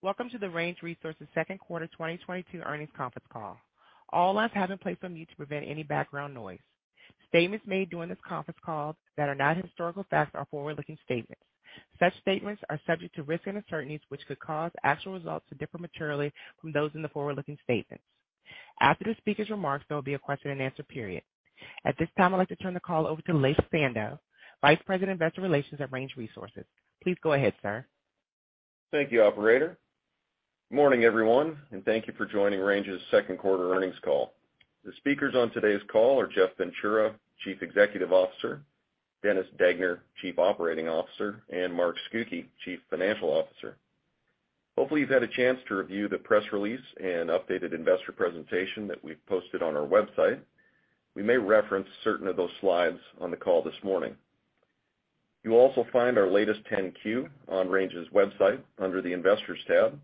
Welcome to the Range Resources Second Quarter 2022 Earnings Conference Call. All lines have been placed on mute to prevent any background noise. Statements made during this conference call that are not historical facts are forward-looking statements. Such statements are subject to risks and uncertainties, which could cause actual results to differ materially from those in the forward-looking statements. After the speaker's remarks, there will be a question-and-answer period. At this time, I'd like to turn the call over to Laith Sando, Vice President, Investor Relations at Range Resources. Please go ahead, sir. Thank you, operator. Morning, everyone, and thank you for joining Range's second quarter earnings call. The speakers on today's call are Jeff Ventura, Chief Executive Officer, Dennis Degner, Chief Operating Officer, and Mark Scucchi, Chief Financial Officer. Hopefully, you've had a chance to review the press release and updated investor presentation that we've posted on our website. We may reference certain of those slides on the call this morning. You'll also find our latest 10-Q on Range's website under the Investors tab,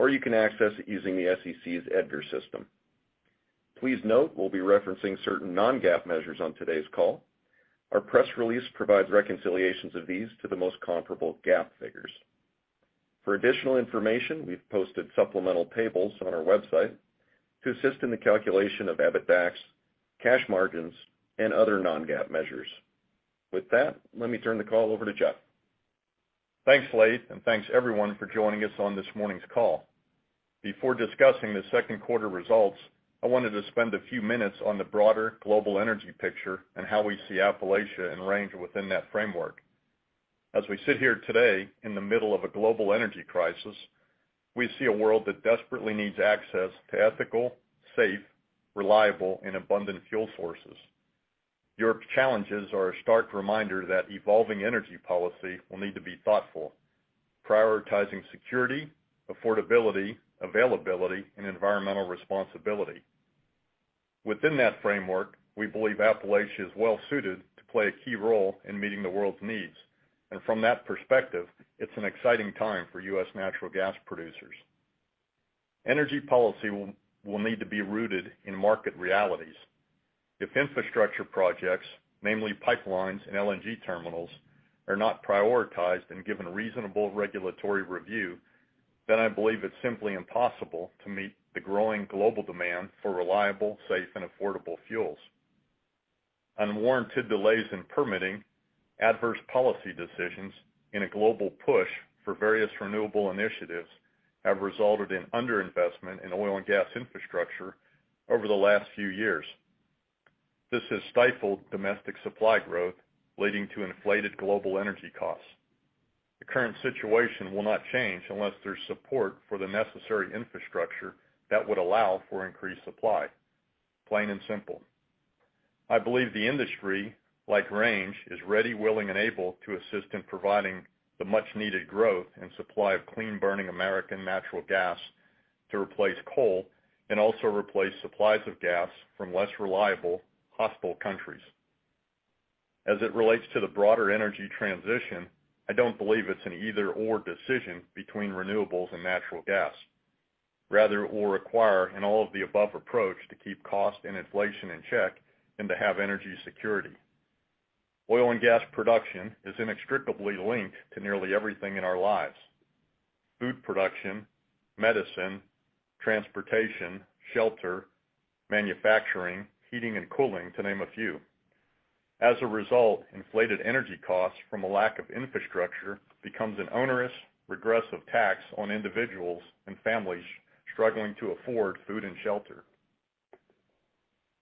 or you can access it using the SEC's EDGAR system. Please note we'll be referencing certain non-GAAP measures on today's call. Our press release provides reconciliations of these to the most comparable GAAP figures. For additional information, we've posted supplemental tables on our website to assist in the calculation of EBITDAX, cash margins, and other non-GAAP measures. With that, let me turn the call over to Jeff. Thanks, Laith, and thanks, everyone, for joining us on this morning's call. Before discussing the second quarter results, I wanted to spend a few minutes on the broader global energy picture and how we see Appalachia and Range within that framework. As we sit here today in the middle of a global energy crisis, we see a world that desperately needs access to ethical, safe, reliable, and abundant fuel sources. Europe's challenges are a stark reminder that evolving energy policy will need to be thoughtful, prioritizing security, affordability, availability, and environmental responsibility. Within that framework, we believe Appalachia is well-suited to play a key role in meeting the world's needs. From that perspective, it's an exciting time for U.S. natural gas producers. Energy policy will need to be rooted in market realities. If infrastructure projects, namely pipelines and LNG terminals, are not prioritized and given reasonable regulatory review, then I believe it's simply impossible to meet the growing global demand for reliable, safe, and affordable fuels. Unwarranted delays in permitting, adverse policy decisions, and a global push for various renewable initiatives have resulted in under-investment in oil and gas infrastructure over the last few years. This has stifled domestic supply growth, leading to inflated global energy costs. The current situation will not change unless there's support for the necessary infrastructure that would allow for increased supply. Plain and simple. I believe the industry, like Range, is ready, willing, and able to assist in providing the much-needed growth and supply of clean-burning American natural gas to replace coal and also replace supplies of gas from less reliable, hostile countries. As it relates to the broader energy transition, I don't believe it's an either/or decision between renewables and natural gas. Rather, it will require an all-of-the-above approach to keep cost and inflation in check and to have energy security. Oil and gas production is inextricably linked to nearly everything in our lives, food production, medicine, transportation, shelter, manufacturing, heating and cooling, to name a few. As a result, inflated energy costs from a lack of infrastructure becomes an onerous, regressive tax on individuals and families struggling to afford food and shelter.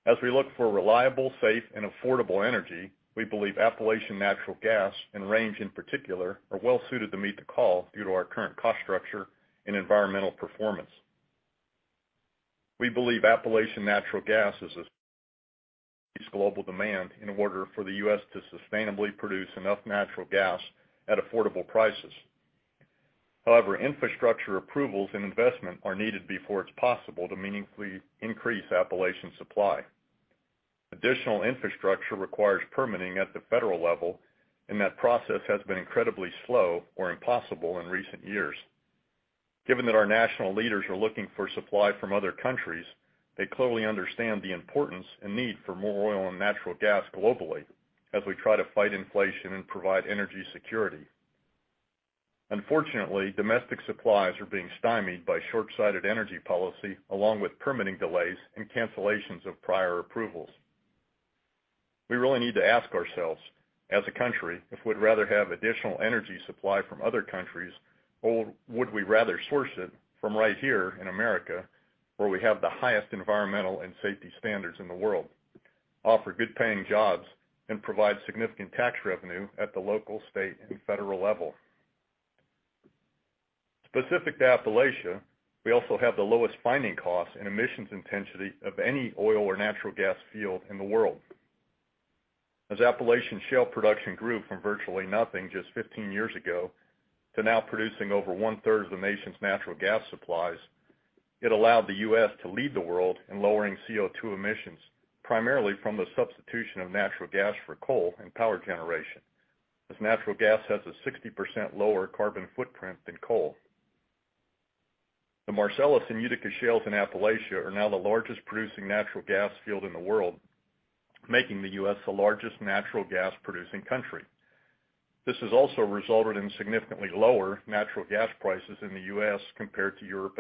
As we look for reliable, safe, and affordable energy, we believe Appalachian natural gas, and Range in particular, are well-suited to meet the call due to our current cost structure and environmental performance. We believe Appalachian natural gas is in global demand in order for the U.S. to sustainably produce enough natural gas at affordable prices. However, infrastructure approvals and investment are needed before it's possible to meaningfully increase Appalachian supply. Additional infrastructure requires permitting at the federal level, and that process has been incredibly slow or impossible in recent years. Given that our national leaders are looking for supply from other countries, they clearly understand the importance and need for more oil and natural gas globally as we try to fight inflation and provide energy security. Unfortunately, domestic supplies are being stymied by short-sighted energy policy, along with permitting delays and cancellations of prior approvals. We really need to ask ourselves as a country, if we'd rather have additional energy supply from other countries, or would we rather source it from right here in America, where we have the highest environmental and safety standards in the world, offer good paying jobs, and provide significant tax revenue at the local, state, and federal level. Specific to Appalachia, we also have the lowest finding cost and emissions intensity of any oil or natural gas field in the world. As Appalachian shale production grew from virtually nothing just 15 years ago to now producing over 1/3 of the nation's natural gas supplies, it allowed the U.S. to lead the world in lowering CO₂ emissions, primarily from the substitution of natural gas for coal and power generation, as natural gas has a 60% lower carbon footprint than coal. The Marcellus and Utica shales in Appalachia are now the largest producing natural gas field in the world, making the U.S. the largest natural gas producing country. This has also resulted in significantly lower natural gas prices in the U.S. compared to Europe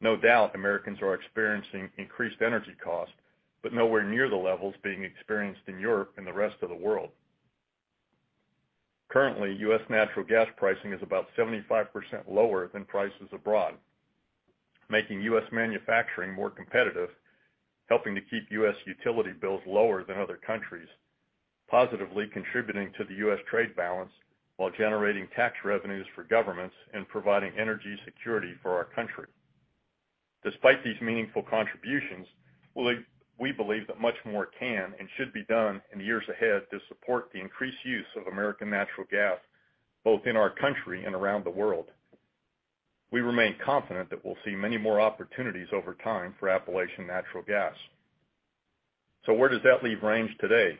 and Asia. No doubt, Americans are experiencing increased energy costs, but nowhere near the levels being experienced in Europe and the rest of the world. Currently, U.S. natural gas pricing is about 75% lower than prices abroad, making U.S. manufacturing more competitive, helping to keep U.S. utility bills lower than other countries, positively contributing to the U.S. trade balance while generating tax revenues for governments and providing energy security for our country. Despite these meaningful contributions, we believe that much more can and should be done in the years ahead to support the increased use of American natural gas, both in our country and around the world. We remain confident that we'll see many more opportunities over time for Appalachian natural gas. Where does that leave Range today?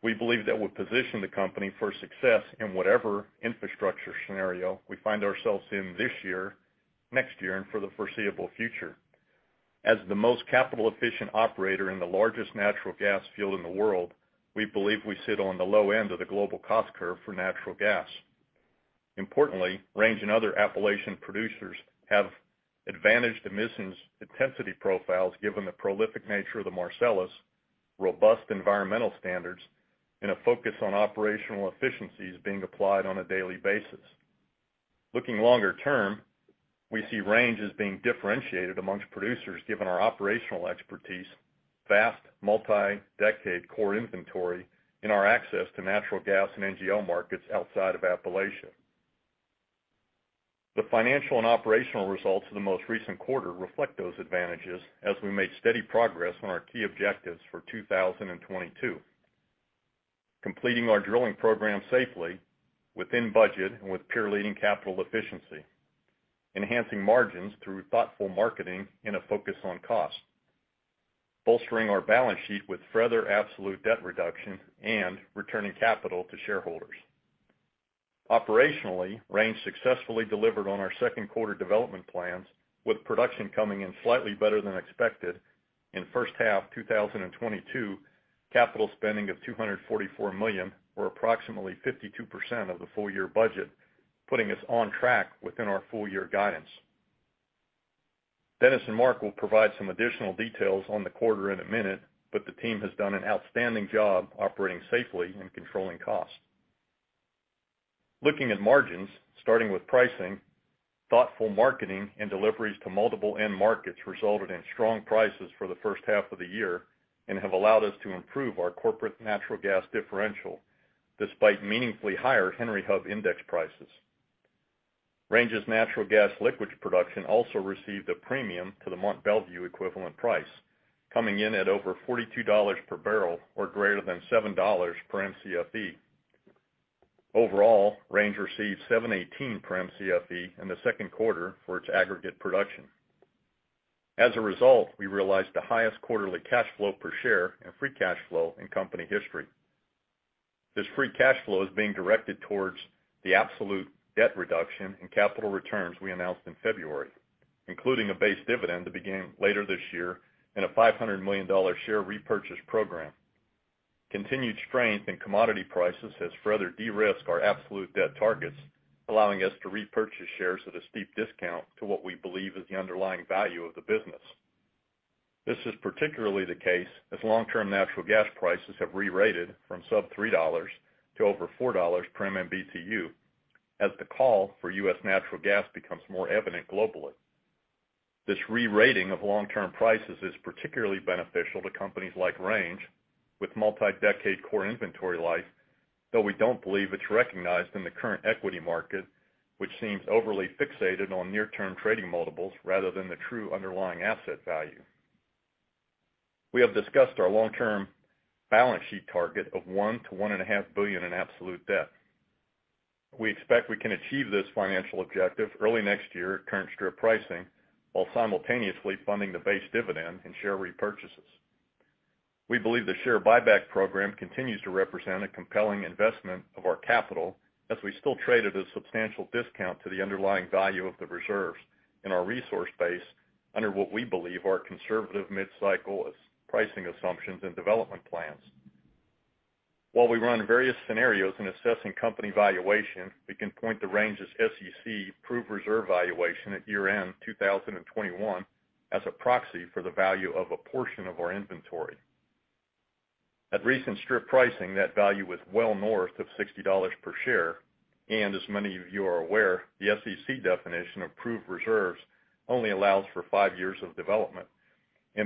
We believe that we've positioned the company for success in whatever infrastructure scenario we find ourselves in this year, next year, and for the foreseeable future. As the most capital-efficient operator in the largest natural gas field in the world, we believe we sit on the low end of the global cost curve for natural gas. Importantly, Range and other Appalachian producers have advantaged emissions intensity profiles given the prolific nature of the Marcellus, robust environmental standards, and a focus on operational efficiencies being applied on a daily basis. Looking longer term, we see Range as being differentiated amongst producers given our operational expertise, vast multi-decade core inventory, and our access to natural gas and NGL markets outside of Appalachia. The financial and operational results of the most recent quarter reflect those advantages as we made steady progress on our key objectives for 2022. Completing our drilling program safely, within budget, and with peer-leading capital efficiency. Enhancing margins through thoughtful marketing and a focus on cost. Bolstering our balance sheet with further absolute debt reduction and returning capital to shareholders. Operationally, Range successfully delivered on our second quarter development plans, with production coming in slightly better than expected in first half 2022, capital spending of $244 million, or approximately 52% of the full year budget, putting us on track within our full year guidance. Dennis and Mark will provide some additional details on the quarter in a minute, but the team has done an outstanding job operating safely and controlling costs. Looking at margins, starting with pricing, thoughtful marketing and deliveries to multiple end markets resulted in strong prices for the first half of the year and have allowed us to improve our corporate natural gas differential despite meaningfully higher Henry Hub index prices. Range's natural gas liquids production also received a premium to the Mont Belvieu equivalent price, coming in at over $42 per barrel or greater than $7 per Mcfe. Overall, Range received $7.18 per Mcfe in the second quarter for its aggregate production. As a result, we realized the highest quarterly cash flow per share and free cash flow in company history. This free cash flow is being directed towards the absolute debt reduction and capital returns we announced in February, including a base dividend to begin later this year and a $500 million share repurchase program. Continued strength in commodity prices has further de-risked our absolute debt targets, allowing us to repurchase shares at a steep discount to what we believe is the underlying value of the business. This is particularly the case as long-term natural gas prices have rerated from sub-$3 to over $4 per MMBtu, as the call for U.S. natural gas becomes more evident globally. This rerating of long-term prices is particularly beneficial to companies like Range with multi-decade core inventory life, though we don't believe it's recognized in the current equity market, which seems overly fixated on near-term trading multiples rather than the true underlying asset value. We have discussed our long-term balance sheet target of $1 billion-$1.5 billion in absolute debt. We expect we can achieve this financial objective early next year at current strip pricing while simultaneously funding the base dividend and share repurchases. We believe the share buyback program continues to represent a compelling investment of our capital as we still trade at a substantial discount to the underlying value of the reserves in our resource base under what we believe are conservative mid-cycle pricing assumptions and development plans. While we run various scenarios in assessing company valuation, we can point to Range's SEC proved reserve valuation at year-end 2021 as a proxy for the value of a portion of our inventory. At recent strip pricing, that value was well north of $60 per share, and as many of you are aware, the SEC definition of proved reserves only allows for 5 years of development.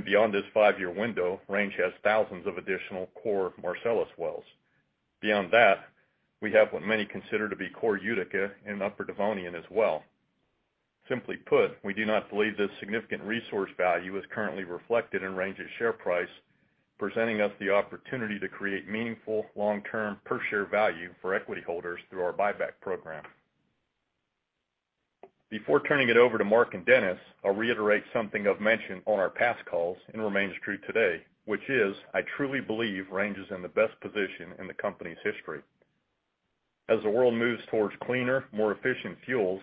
Beyond this five-year window, Range has thousands of additional core Marcellus wells. Beyond that, we have what many consider to be core Utica and Upper Devonian as well. Simply put, we do not believe this significant resource value is currently reflected in Range's share price, presenting us the opportunity to create meaningful long-term per share value for equity holders through our buyback program. Before turning it over to Mark and Dennis, I'll reiterate something I've mentioned on our past calls and remains true today, which is I truly believe Range is in the best position in the company's history. As the world moves towards cleaner, more efficient fuels,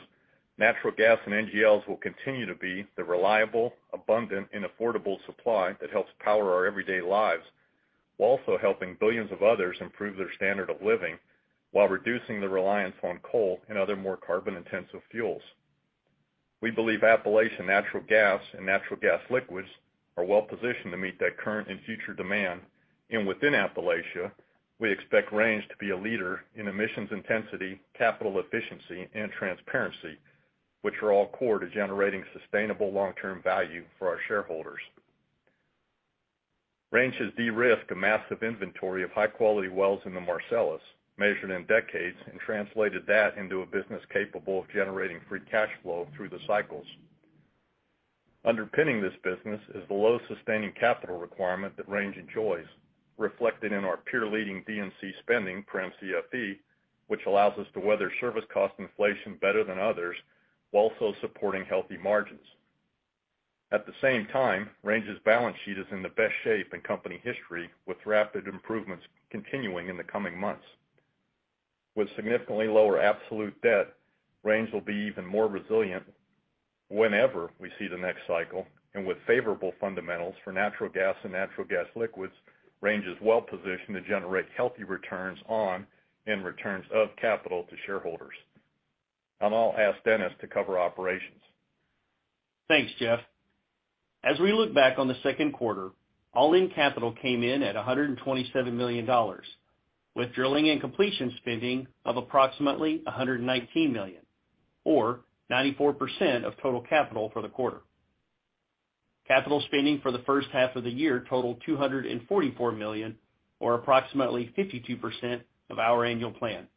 natural gas and NGLs will continue to be the reliable, abundant and affordable supply that helps power our everyday lives, while also helping billions of others improve their standard of living while reducing the reliance on coal and other more carbon-intensive fuels. We believe Appalachian natural gas and natural gas liquids are well positioned to meet that current and future demand. Within Appalachia, we expect Range to be a leader in emissions intensity, capital efficiency and transparency, which are all core to generating sustainable long-term value for our shareholders. Range has de-risked a massive inventory of high-quality wells in the Marcellus, measured in decades, and translated that into a business capable of generating free cash flow through the cycles. Underpinning this business is the low sustaining capital requirement that Range enjoys, reflected in our peer-leading D&C spending per Mcfe, which allows us to weather service cost inflation better than others while also supporting healthy margins. At the same time, Range's balance sheet is in the best shape in company history, with rapid improvements continuing in the coming months. With significantly lower absolute debt, Range will be even more resilient whenever we see the next cycle, and with favorable fundamentals for natural gas and natural gas liquids, Range is well positioned to generate healthy returns on and returns of capital to shareholders. I'll now ask Dennis to cover operations. Thanks, Jeff. As we look back on the second quarter, all-in capital came in at $127 million, with drilling and completion spending of approximately $119 million or 94% of total capital for the quarter. Capital spending for the first half of the year totaled $244 million, or approximately 52% of our annual plan.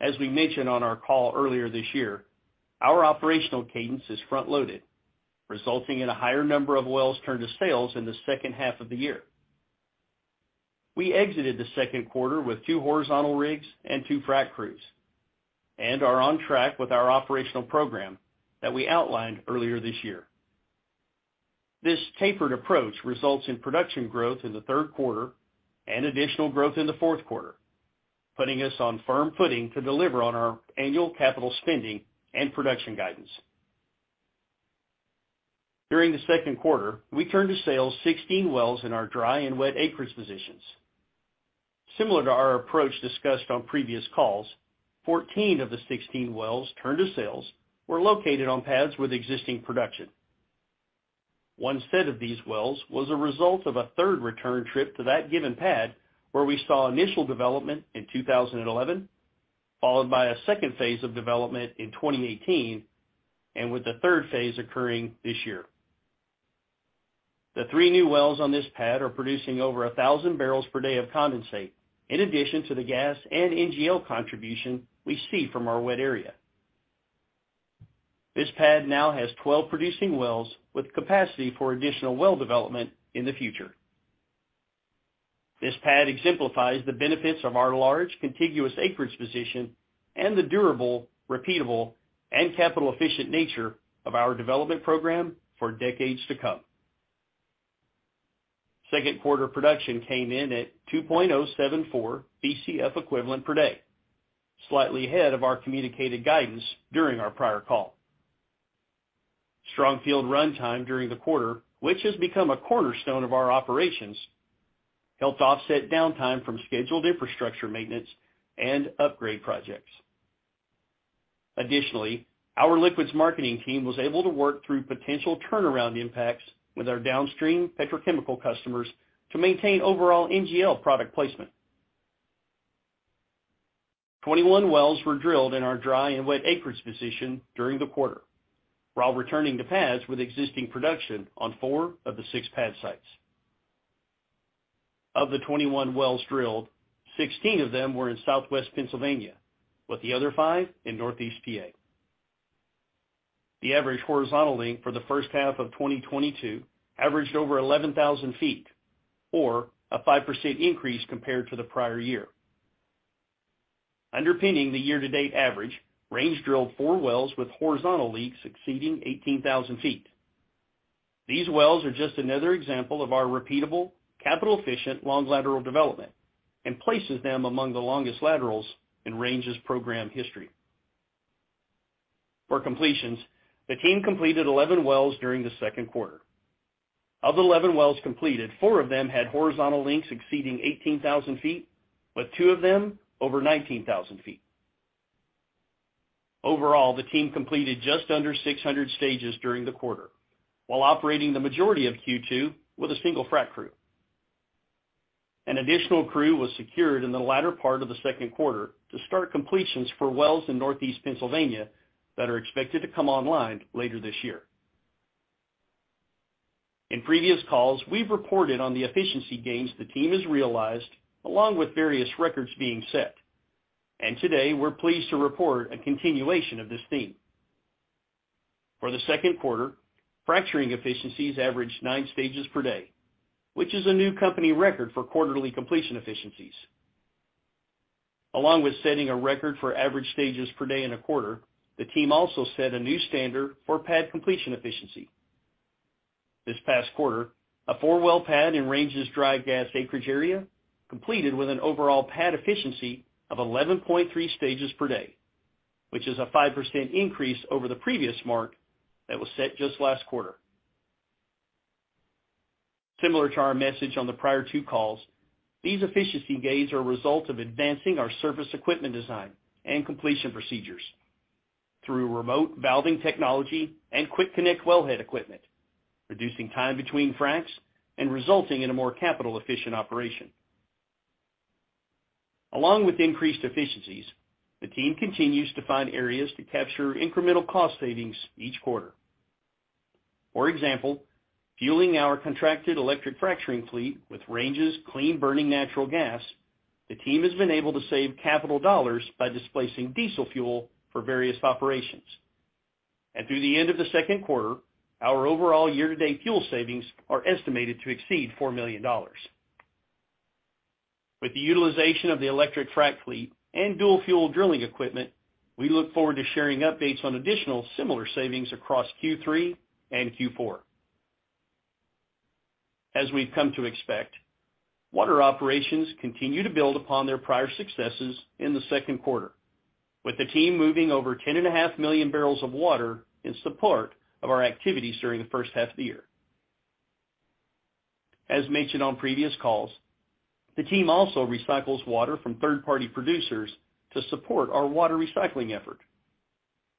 As we mentioned on our call earlier this year, our operational cadence is front-loaded, resulting in a higher number of wells turned to sales in the second half of the year. We exited the second quarter with two horizontal rigs and two frac crews and are on track with our operational program that we outlined earlier this year. This tapered approach results in production growth in the third quarter and additional growth in the fourth quarter, putting us on firm footing to deliver on our annual capital spending and production guidance. During the second quarter, we turned to sales 16 wells in our dry and wet acreage positions. Similar to our approach discussed on previous calls, 14 of the 16 wells turned to sales were located on pads with existing production. One set of these wells was a result of a third return trip to that given pad where we saw initial development in 2011, followed by a second phase of development in 2018, and with the third phase occurring this year. The 3 new wells on this pad are producing over 1,000 barrels per day of condensate in addition to the gas and NGL contribution we see from our wet area. This pad now has 12 producing wells with capacity for additional well development in the future. This pad exemplifies the benefits of our large contiguous acreage position and the durable, repeatable and capital-efficient nature of our development program for decades to come. Second quarter production came in at 2.074 Bcf equivalent per day, slightly ahead of our communicated guidance during our prior call. Strong field runtime during the quarter, which has become a cornerstone of our operations, helped offset downtime from scheduled infrastructure maintenance and upgrade projects. Additionally, our liquids marketing team was able to work through potential turnaround impacts with our downstream petrochemical customers to maintain overall NGL product placement. 21 wells were drilled in our dry and wet acreage position during the quarter, while returning to pads with existing production on four of the six pad sites. Of the 21 wells drilled, 16 of them were in Southwest Pennsylvania with the other 5 in Northeast PA. The average horizontal length for the first half of 2022 averaged over 11,000 feet or a 5% increase compared to the prior year. Underpinning the year-to-date average, Range drilled 4 wells with horizontal lengths exceeding 18,000 feet. These wells are just another example of our repeatable, capital-efficient, long lateral development and places them among the longest laterals in Range's program history. For completions, the team completed 11 wells during the second quarter. Of the 11 wells completed, 4 of them had horizontal lengths exceeding 18,000 feet, with 2 of them over 19,000 feet. Overall, the team completed just under 600 stages during the quarter, while operating the majority of Q2 with a single frac crew. An additional crew was secured in the latter part of the second quarter to start completions for wells in Northeast Pennsylvania that are expected to come online later this year. In previous calls, we've reported on the efficiency gains the team has realized along with various records being set. Today, we're pleased to report a continuation of this theme. For the second quarter, fracturing efficiencies averaged 9 stages per day, which is a new company record for quarterly completion efficiencies. Along with setting a record for average stages per day in a quarter, the team also set a new standard for pad completion efficiency. This past quarter, a 4-well pad in Range's dry gas acreage area completed with an overall pad efficiency of 11.3 stages per day, which is a 5% increase over the previous mark that was set just last quarter. Similar to our message on the prior two calls, these efficiency gains are a result of advancing our surface equipment design and completion procedures through remote valving technology and quick connect wellhead equipment, reducing time between fracs and resulting in a more capital efficient operation. Along with increased efficiencies, the team continues to find areas to capture incremental cost savings each quarter. For example, fueling our contracted electric fracturing fleet with Range's clean-burning natural gas, the team has been able to save capital dollars by displacing diesel fuel for various operations. Through the end of the second quarter, our overall year-to-date fuel savings are estimated to exceed $4 million. With the utilization of the electric frac fleet and dual-fuel drilling equipment, we look forward to sharing updates on additional similar savings across Q3 and Q4. As we've come to expect, water operations continue to build upon their prior successes in the second quarter, with the team moving over 10.5 million barrels of water in support of our activities during the first half of the year. As mentioned on previous calls, the team also recycles water from third-party producers to support our water recycling effort.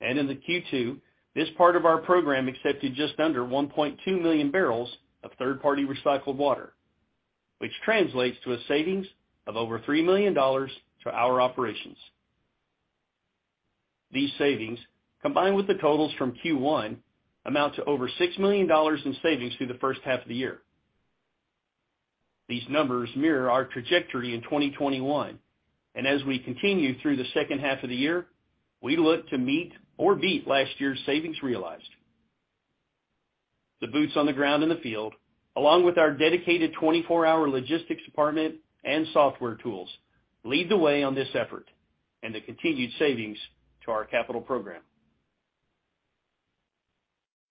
In the Q2, this part of our program accepted just under 1.2 million barrels of third-party recycled water, which translates to a savings of over $3 million to our operations. These savings, combined with the totals from Q1, amount to over $6 million in savings through the first half of the year. These numbers mirror our trajectory in 2021, and as we continue through the second half of the year, we look to meet or beat last year's savings realized. The boots on the ground in the field, along with our dedicated 24-hour logistics department and software tools, lead the way on this effort and the continued savings to our capital program.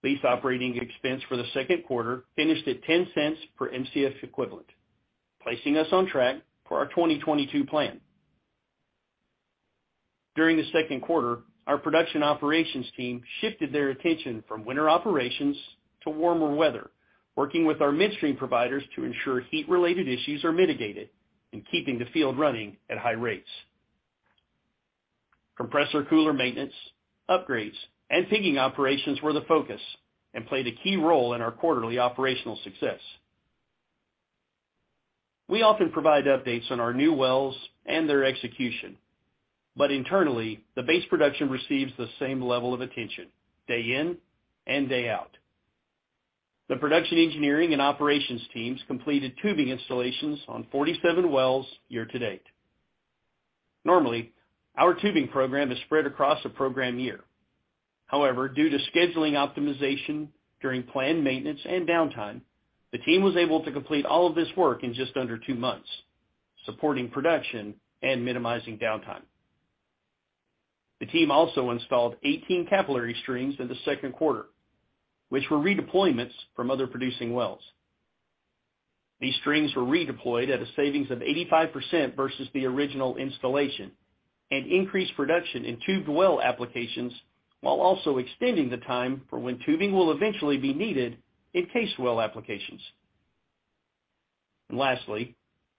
Lease operating expense for the second quarter finished at $0.10 per Mcfe, placing us on track for our 2022 plan. During the second quarter, our production operations team shifted their attention from winter operations to warmer weather, working with our midstream providers to ensure heat-related issues are mitigated and keeping the field running at high rates. Compressor cooler maintenance, upgrades, and pigging operations were the focus and played a key role in our quarterly operational success. We often provide updates on our new wells and their execution, but internally, the base production receives the same level of attention day in and day out. The production engineering and operations teams completed tubing installations on 47 wells year to date. Normally, our tubing program is spread across a program year. However, due to scheduling optimization during planned maintenance and downtime, the team was able to complete all of this work in just under 2 months, supporting production and minimizing downtime. The team also installed 18 capillary strings in the second quarter, which were redeployments from other producing wells. These strings were redeployed at a savings of 85% versus the original installation and increased production in tubed well applications while also extending the time for when tubing will eventually be needed in cased well applications. Lastly,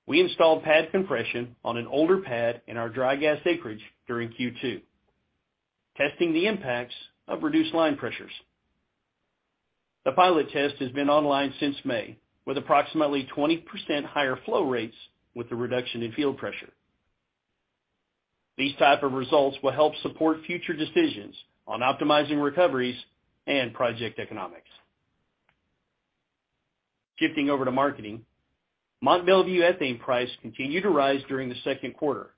we installed pad compression on an older pad in our dry gas acreage during Q2, testing the impacts of reduced line pressures. The pilot test has been online since May with approximately 20% higher flow rates with the reduction in field pressure. These type of results will help support future decisions on optimizing recoveries and project economics. Shifting over to marketing, Mont Belvieu ethane price continued to rise during the second quarter,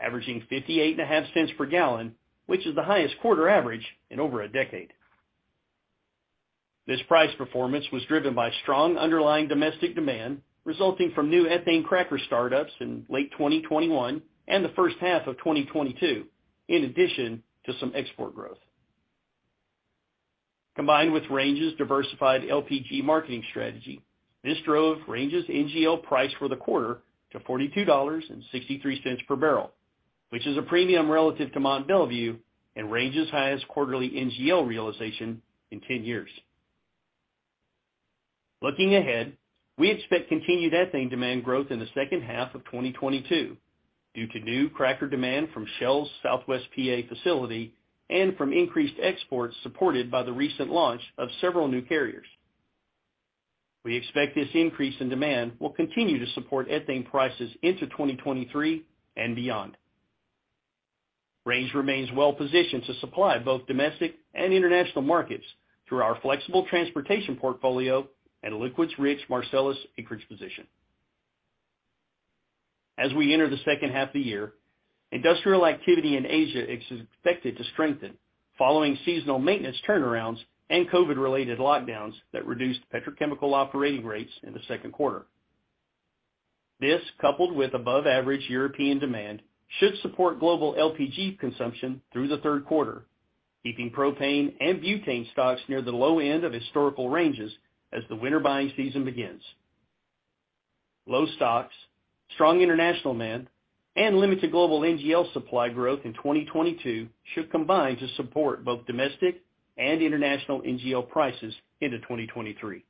averaging $0.585 per gallon, which is the highest quarter average in over a decade. This price performance was driven by strong underlying domestic demand resulting from new ethane cracker startups in late 2021 and the first half of 2022, in addition to some export growth. Combined with Range's diversified LPG marketing strategy, this drove Range's NGL price for the quarter to $42.63 per barrel, which is a premium relative to Mont Belvieu and Range's highest quarterly NGL realization in 10 years. Looking ahead, we expect continued ethane demand growth in the second half of 2022 due to new cracker demand from Shell's Southwest PA facility and from increased exports supported by the recent launch of several new carriers. We expect this increase in demand will continue to support ethane prices into 2023 and beyond. Range remains well positioned to supply both domestic and international markets through our flexible transportation portfolio and liquids-rich Marcellus acreage position. As we enter the second half of the year, industrial activity in Asia is expected to strengthen following seasonal maintenance turnarounds and COVID-related lockdowns that reduced petrochemical operating rates in the second quarter. This, coupled with above average European demand, should support global LPG consumption through the third quarter, keeping propane and butane stocks near the low end of historical ranges as the winter buying season begins. Low stocks, strong international demand, and limited global NGL supply growth in 2022 should combine to support both domestic and international NGL prices into 2023.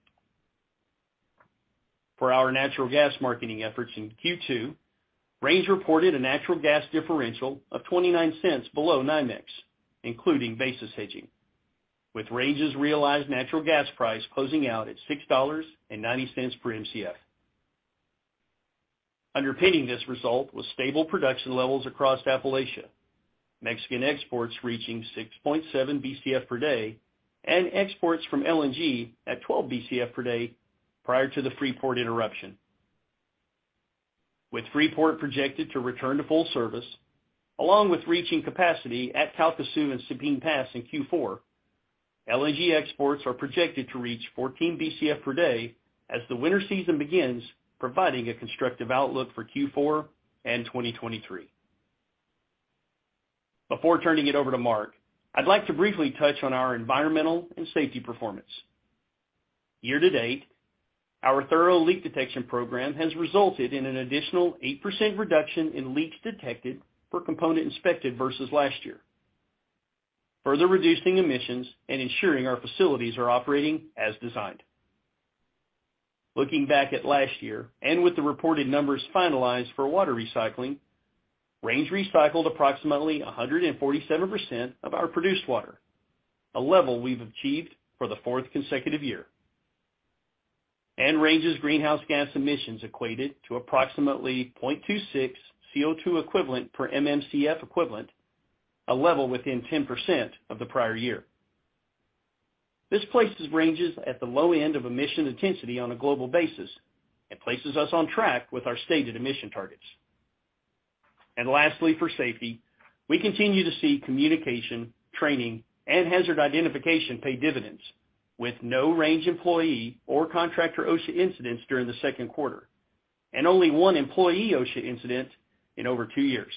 For our natural gas marketing efforts in Q2, Range reported a natural gas differential of $0.29 below NYMEX, including basis hedging, with Range's realized natural gas price closing out at $6.90 per Mcf. Underpinning this result was stable production levels across Appalachia, Mexican exports reaching 6.7 Bcf per day, and exports from LNG at 12 Bcf per day prior to the Freeport interruption. With Freeport projected to return to full service, along with reaching capacity at Calcasieu and Sabine Pass in Q4, LNG exports are projected to reach 14 Bcf per day as the winter season begins, providing a constructive outlook for Q4 and 2023. Before turning it over to Mark, I'd like to briefly touch on our environmental and safety performance. Year to date, our thorough leak detection program has resulted in an additional 8% reduction in leaks detected per component inspected versus last year, further reducing emissions and ensuring our facilities are operating as designed. Looking back at last year, and with the reported numbers finalized for water recycling, Range recycled approximately 147% of our produced water, a level we've achieved for the fourth consecutive year. Range's greenhouse gas emissions equated to approximately 0.26 CO2 equivalent per MMcfe, a level within 10% of the prior year. This places Range's at the low end of emission intensity on a global basis and places us on track with our stated emission targets. Lastly, for safety, we continue to see communication, training, and hazard identification pay dividends with no Range employee or contractor OSHA incidents during the second quarter and only one employee OSHA incident in over two years.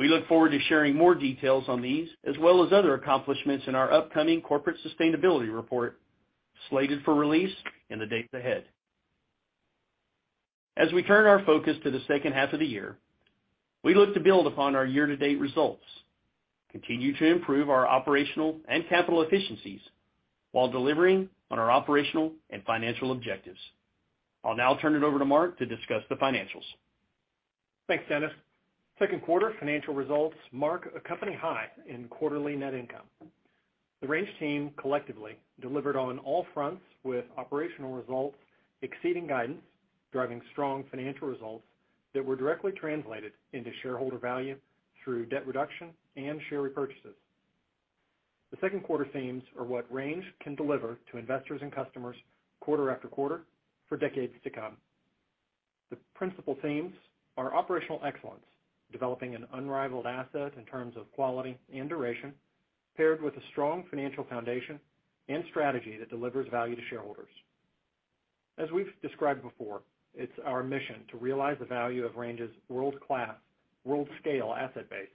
We look forward to sharing more details on these as well as other accomplishments in our upcoming corporate sustainability report, slated for release in the days ahead. As we turn our focus to the second half of the year, we look to build upon our year-to-date results, continue to improve our operational and capital efficiencies while delivering on our operational and financial objectives. I'll now turn it over to Mark to discuss the financials. Thanks, Dennis. Second quarter financial results mark a company high in quarterly net income. The Range team collectively delivered on all fronts with operational results exceeding guidance, driving strong financial results that were directly translated into shareholder value through debt reduction and share repurchases. The second quarter themes are what Range can deliver to investors and customers quarter after quarter for decades to come. The principal themes are operational excellence, developing an unrivaled asset in terms of quality and duration, paired with a strong financial foundation and strategy that delivers value to shareholders. As we've described before, it's our mission to realize the value of Range's world-class, world-scale asset base,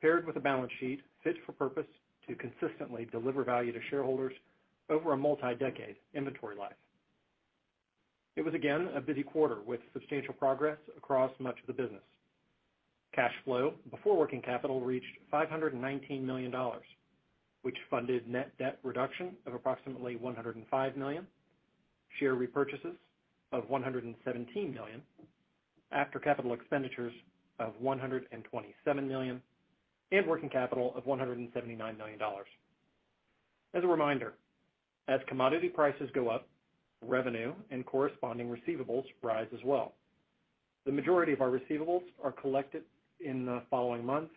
paired with a balance sheet fit for purpose to consistently deliver value to shareholders over a multi-decade inventory life. It was again a busy quarter with substantial progress across much of the business. Cash flow before working capital reached $519 million, which funded net debt reduction of approximately $105 million, share repurchases of $117 million, after capital expenditures of $127 million, and working capital of $179 million. As a reminder, as commodity prices go up, revenue and corresponding receivables rise as well. The majority of our receivables are collected in the following months,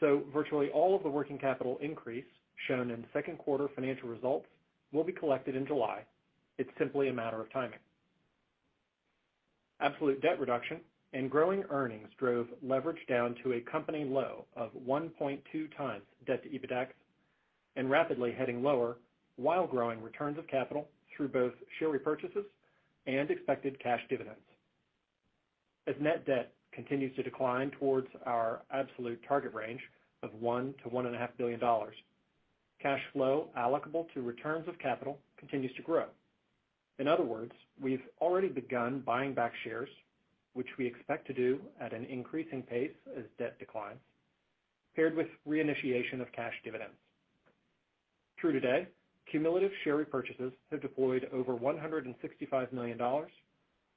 so virtually all of the working capital increase shown in second quarter financial results will be collected in July. It's simply a matter of timing. Absolute debt reduction and growing earnings drove leverage down to a company low of 1.2 times debt to EBITDA and rapidly heading lower while growing returns of capital through both share repurchases and expected cash dividends. As net debt continues to decline towards our absolute target range of $1 billion-$1.5 billion, cash flow allocable to returns of capital continues to grow. In other words, we've already begun buying back shares, which we expect to do at an increasing pace as debt declines, paired with reinitiation of cash dividends. Through today, cumulative share repurchases have deployed over $165 million, or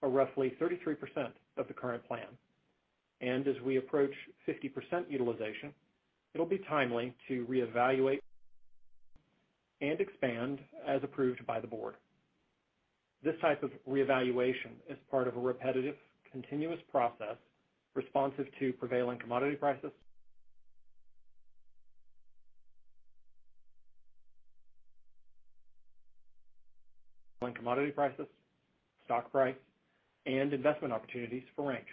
roughly 33% of the current plan. As we approach 50% utilization, it'll be timely to reevaluate and expand as approved by the board. This type of reevaluation is part of a repetitive, continuous process responsive to prevailing commodity prices, stock price, and investment opportunities for Range.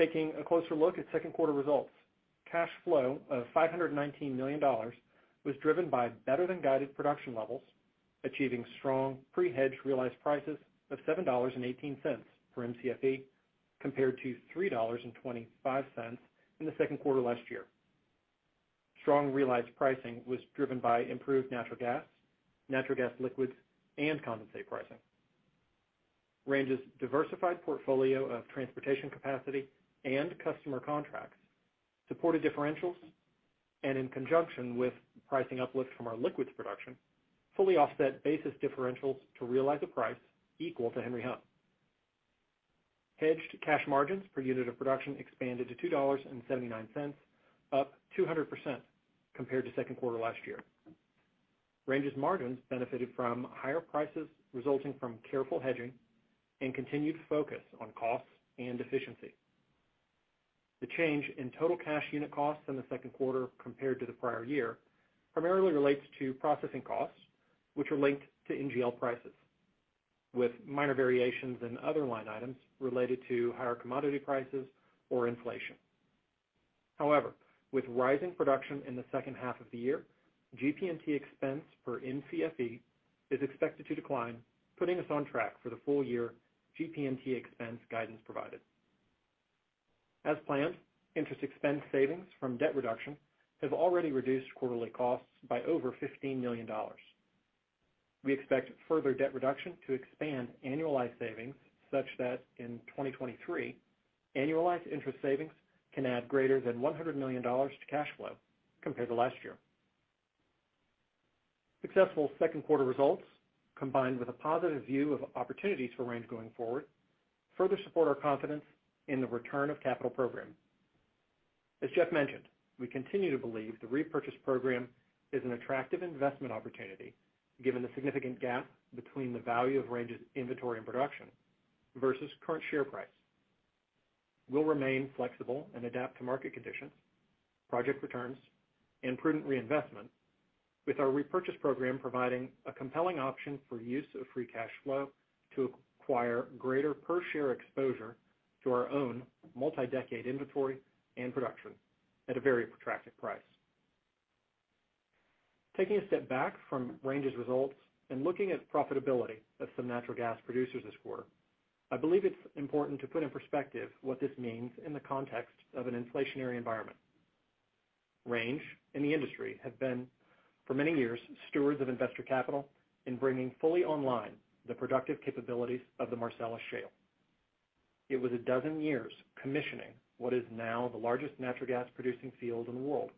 Taking a closer look at second quarter results. Cash flow of $519 million was driven by better-than-guided production levels, achieving strong pre-hedge realized prices of $7.18 per Mcfe, compared to $3.25 in the second quarter last year. Strong realized pricing was driven by improved natural gas, natural gas liquids, and condensate pricing. Range's diversified portfolio of transportation capacity and customer contracts supported differentials, and in conjunction with pricing uplifts from our liquids production, fully offset basis differentials to realize a price equal to Henry Hub. Hedged cash margins per unit of production expanded to $2.79, up 200% compared to second quarter last year. Range's margins benefited from higher prices resulting from careful hedging and continued focus on costs and efficiency. The change in total cash unit costs in the second quarter compared to the prior year primarily relates to processing costs, which are linked to NGL prices, with minor variations in other line items related to higher commodity prices or inflation. However, with rising production in the second half of the year, GP&T expense per Mcfe is expected to decline, putting us on track for the full-year GP&T expense guidance provided. As planned, interest expense savings from debt reduction have already reduced quarterly costs by over $15 million. We expect further debt reduction to expand annualized savings such that in 2023, annualized interest savings can add greater than $100 million to cash flow compared to last year. Successful second quarter results, combined with a positive view of opportunities for Range going forward, further support our confidence in the return of capital program. As Jeff mentioned, we continue to believe the repurchase program is an attractive investment opportunity given the significant gap between the value of Range's inventory and production versus current share price. We'll remain flexible and adapt to market conditions, project returns, and prudent reinvestment, with our repurchase program providing a compelling option for use of free cash flow to acquire greater per share exposure to our own multi-decade inventory and production at a very attractive price. Taking a step back from Range's results and looking at profitability of some natural gas producers this quarter, I believe it's important to put in perspective what this means in the context of an inflationary environment. Range and the industry have been, for many years, stewards of investor capital in bringing fully online the productive capabilities of the Marcellus Shale. It was a dozen years commissioning what is now the largest natural gas-producing field in the world.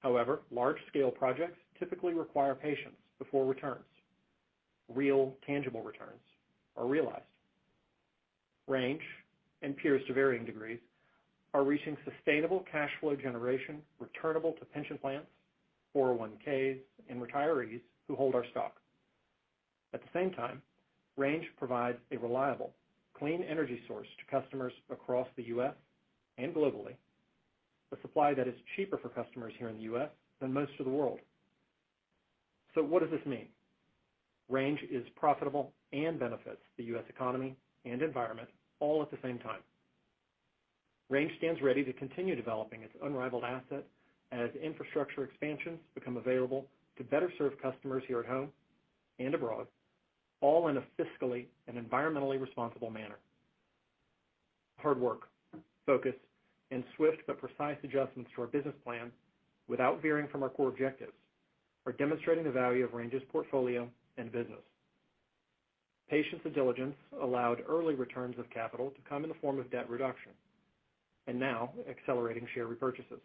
However, large-scale projects typically require patience before returns. Real, tangible returns are realized. Range, and peers to varying degrees, are reaching sustainable cash flow generation returnable to pension plans, 401(k)s, and retirees who hold our stock. At the same time, Range provides a reliable, clean energy source to customers across the U.S. and globally, a supply that is cheaper for customers here in the U.S. than most of the world. What does this mean? Range is profitable and benefits the U.S. economy and environment all at the same time. Range stands ready to continue developing its unrivaled asset as infrastructure expansions become available to better serve customers here at home and abroad, all in a fiscally and environmentally responsible manner. Hard work, focus, and swift but precise adjustments to our business plan without veering from our core objectives are demonstrating the value of Range's portfolio and business. Patience and diligence allowed early returns of capital to come in the form of debt reduction and now accelerating share repurchases.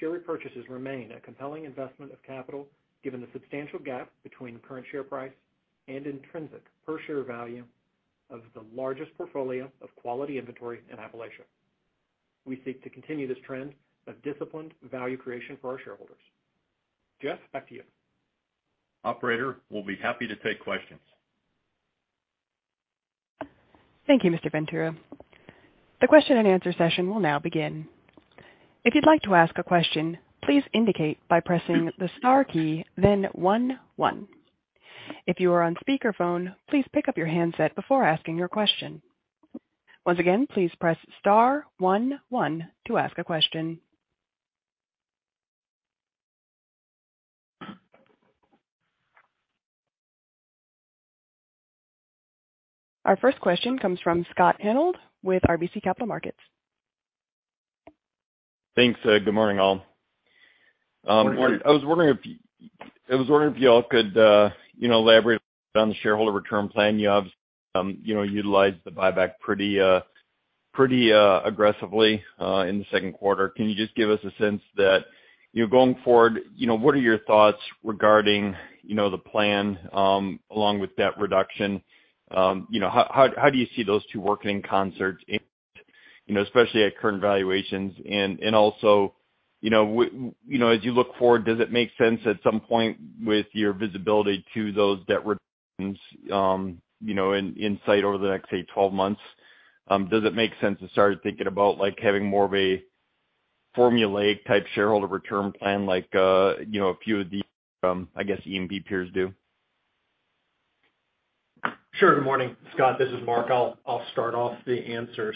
Share repurchases remain a compelling investment of capital given the substantial gap between current share price and intrinsic per share value of the largest portfolio of quality inventory in Appalachia. We seek to continue this trend of disciplined value creation for our shareholders. Jeff, back to you. Operator, we'll be happy to take questions. Thank you, Mr. Ventura. The question-and-answer session will now begin. If you'd like to ask a question, please indicate by pressing the star key then one one. If you are on speakerphone, please pick up your handset before asking your question. Once again, please press star one one to ask a question. Our first question comes from Scott Hanold with RBC Capital Markets. Thanks. Good morning, all. Morning. I was wondering if you all could, you know, elaborate on the shareholder return plan. You obviously, you know, utilized the buyback pretty aggressively in the second quarter. Can you just give us a sense, you know, going forward, you know, what are your thoughts regarding, you know, the plan along with debt reduction? You know, how do you see those two working in concert, you know, especially at current valuations? Also, you know, as you look forward, does it make sense at some point with your visibility to those debt reductions, you know, in sight over the next, say, twelve months? Does it make sense to start thinking about, like, having more of a formulaic type shareholder return plan like, you know, a few of the, I guess, E&P peers do? Sure. Good morning, Scott. This is Mark. I'll start off the answer.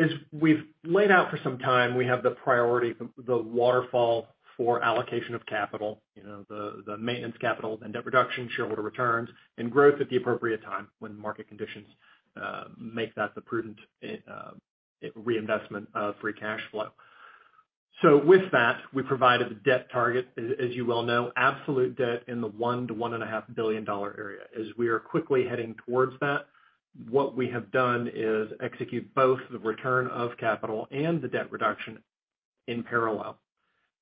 As we've laid out for some time, we have the priority, the waterfall for allocation of capital, you know, the maintenance capital, the debt reduction, shareholder returns, and growth at the appropriate time when market conditions make that the prudent investment in reinvestment of free cash flow. With that, we provided the debt target, as you well know, absolute debt in the $1-$1.5 billion area. As we are quickly heading towards that, what we have done is execute both the return of capital and the debt reduction in parallel.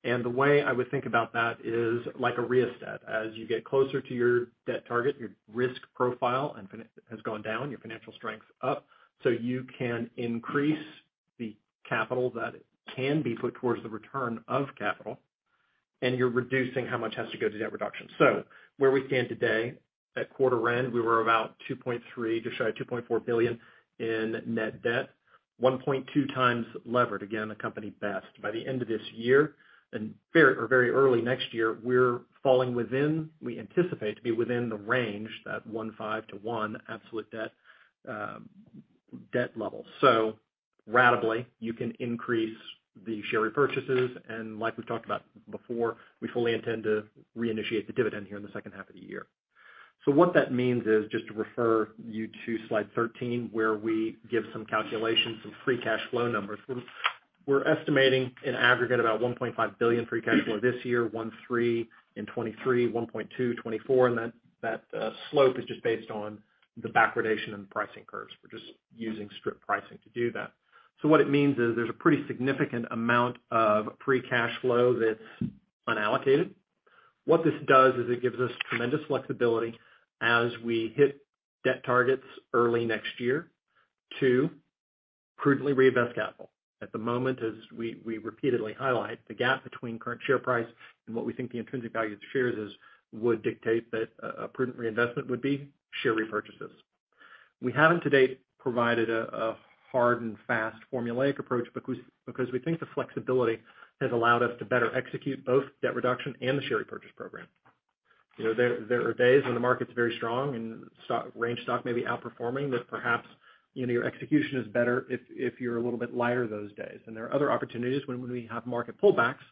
The way I would think about that is like a rheostat. As you get closer to your debt target, your risk profile has gone down, your financial strength's up, so you can increase the capital that can be put towards the return of capital, and you're reducing how much has to go to debt reduction. Where we stand today, at quarter end, we were about $2.3 billion, just shy of $2.4 billion in net debt, 1.2x levered, again, the company best. By the end of this year, or very early next year, we anticipate to be within the range, that 1.5 to 1 absolute debt level. Ratably, you can increase the share repurchases, and like we've talked about before, we fully intend to reinitiate the dividend here in the second half of the year. What that means is, just to refer you to slide 13, where we give some calculations, some free cash flow numbers. We're estimating an aggregate about $1.5 billion free cash flow this year, $1.3 billion in 2023, $1.2 billion in 2024. That slope is just based on the backwardation and the pricing curves. We're just using strip pricing to do that. What it means is there's a pretty significant amount of free cash flow that's unallocated. What this does is it gives us tremendous flexibility as we hit debt targets early next year to prudently reinvest capital. At the moment, as we repeatedly highlight, the gap between current share price and what we think the intrinsic value of the shares is, would dictate that a prudent reinvestment would be share repurchases. We haven't to date provided a hard and fast formulaic approach because we think the flexibility has allowed us to better execute both debt reduction and the share repurchase program. You know, there are days when the market's very strong and Range stock may be outperforming that perhaps, you know, your execution is better if you're a little bit lighter those days. There are other opportunities when we have market pullbacks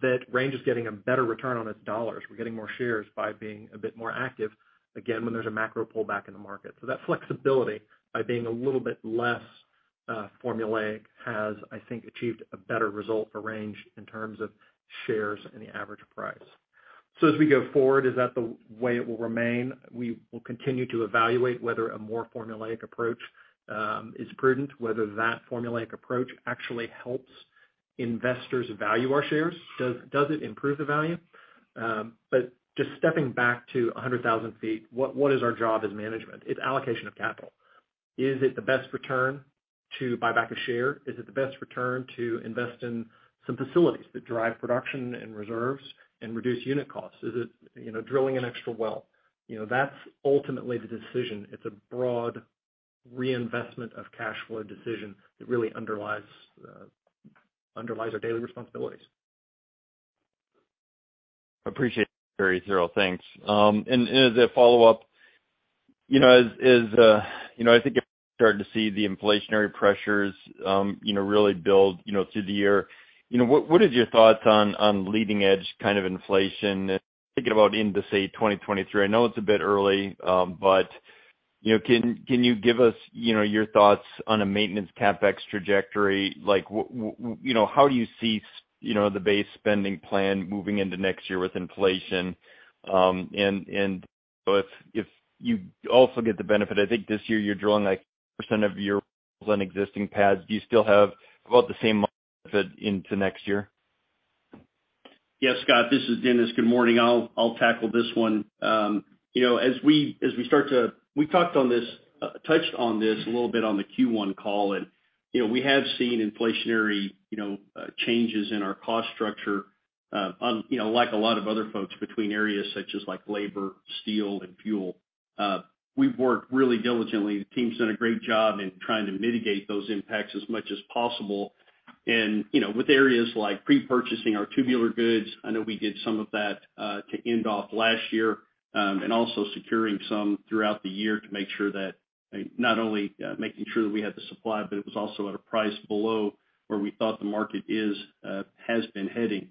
that Range is getting a better return on its dollars. We're getting more shares by being a bit more active, again, when there's a macro pullback in the market. That flexibility by being a little bit less formulaic has, I think, achieved a better result for Range in terms of shares and the average price. As we go forward, is that the way it will remain? We will continue to evaluate whether a more formulaic approach is prudent, whether that formulaic approach actually helps investors value our shares. Does it improve the value? Just stepping back to 100,000 feet, what is our job as management? It's allocation of capital. Is it the best return to buy back a share? Is it the best return to invest in some facilities that drive production and reserves and reduce unit costs? Is it, you know, drilling an extra well? You know, that's ultimately the decision. It's a broad reinvestment of cash flow decision that really underlies our daily responsibilities. Appreciate it, very great thanks. As a follow-up, you know, as you know, I think you're starting to see the inflationary pressures, you know, really build, you know, through the year. You know, what is your thoughts on leading edge kind of inflation? Thinking about into, say, 2023. I know it's a bit early, but you know, can you give us, you know, your thoughts on a maintenance CapEx trajectory? Like, you know, how do you see the base spending plan moving into next year with inflation? And if you also get the benefit, I think this year you're drilling, like, % of your existing pads. Do you still have about the same benefit into next year? Yes, Scott, this is Dennis. Good morning. I'll tackle this one. You know, we talked on this, touched on this a little bit on the Q1 call. You know, we have seen inflationary, you know, changes in our cost structure, you know, like a lot of other folks between areas such as, like, labor, steel, and fuel. We've worked really diligently. The team's done a great job in trying to mitigate those impacts as much as possible. You know, with areas like pre-purchasing our tubular goods, I know we did some of that to end off last year, and also securing some throughout the year to make sure that not only we had the supply, but it was also at a price below where we thought the market has been heading.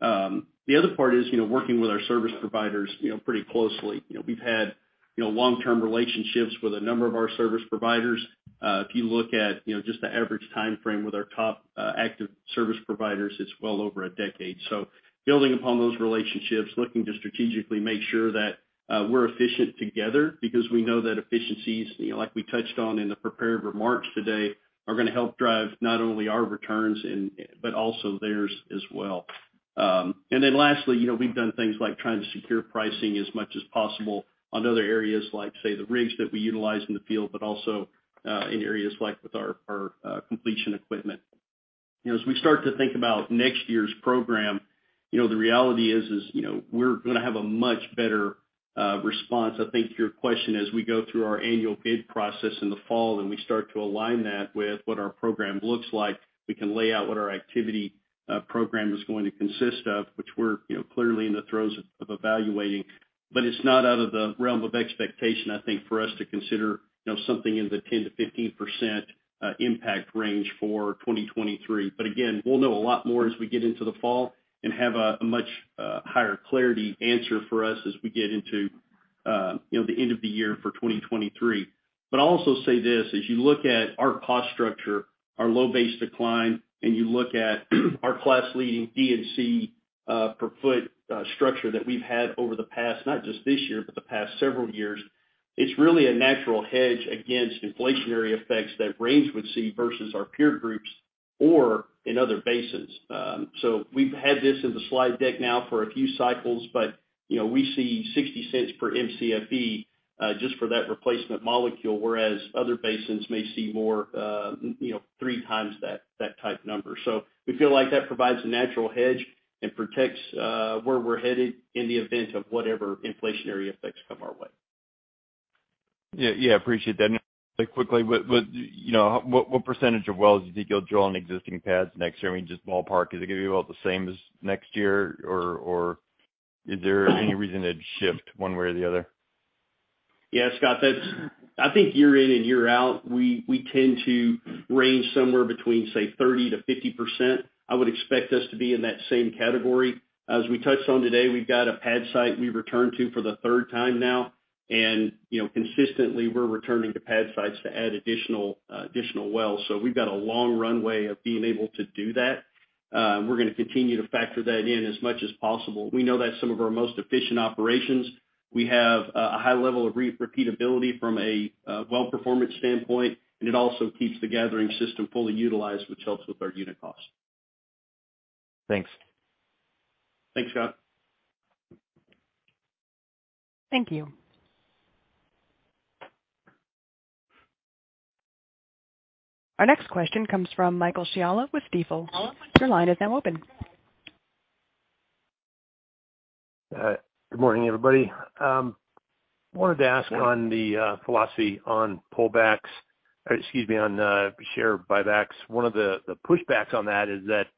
The other part is, you know, working with our service providers, you know, pretty closely. You know, we've had, you know, long-term relationships with a number of our service providers. If you look at, you know, just the average timeframe with our top active service providers, it's well over a decade. Building upon those relationships, looking to strategically make sure that we're efficient together because we know that efficiencies, you know, like we touched on in the prepared remarks today, are gonna help drive not only our returns, but also theirs as well. And then lastly, you know, we've done things like trying to secure pricing as much as possible on other areas, like, say, the rigs that we utilize in the field, but also in areas like with our completion equipment. You know, as we start to think about next year's program, you know, the reality is we're gonna have a much better response, I think, to your question, as we go through our annual bid process in the fall, and we start to align that with what our program looks like. We can lay out what our activity program is going to consist of, which we're, you know, clearly in the throes of evaluating. It's not out of the realm of expectation, I think, for us to consider, you know, something in the 10%-15% impact range for 2023. We'll know a lot more as we get into the fall and have a much higher clarity answer for us as we get into, you know, the end of the year for 2023. I'll also say this, as you look at our cost structure, our low base decline, and you look at our class leading D&C per foot structure that we've had over the past, not just this year, but the past several years, it's really a natural hedge against inflationary effects that Range would see versus our peer groups or in other basins. We've had this in the slide deck now for a few cycles, but, you know, we see $0.60 per Mcfe just for that replacement molecule, whereas other basins may see more, you know, three times that type number. We feel like that provides a natural hedge and protects where we're headed in the event of whatever inflationary effects come our way. Yeah, appreciate that. Quickly, but, you know, what percentage of wells do you think you'll draw on existing pads next year? I mean, just ballpark. Is it gonna be about the same as next year, or is there any reason it'd shift one way or the other? Yeah, Scott, that's. I think year in and year out, we tend to range somewhere between, say, 30%-50%. I would expect us to be in that same category. As we touched on today, we've got a pad site we returned to for the third time now. You know, consistently, we're returning to pad sites to add additional wells. So we've got a long runway of being able to do that. We're gonna continue to factor that in as much as possible. We know that's some of our most efficient operations. We have a high level of repeatability from a well performance standpoint, and it also keeps the gathering system fully utilized, which helps with our unit costs. Thanks. Thanks, Scott. Thank you. Our next question comes from Michael Scialla with Stifel. Your line is now open. Good morning, everybody. Wanted to ask on the philosophy on share buybacks. One of the pushbacks on that is that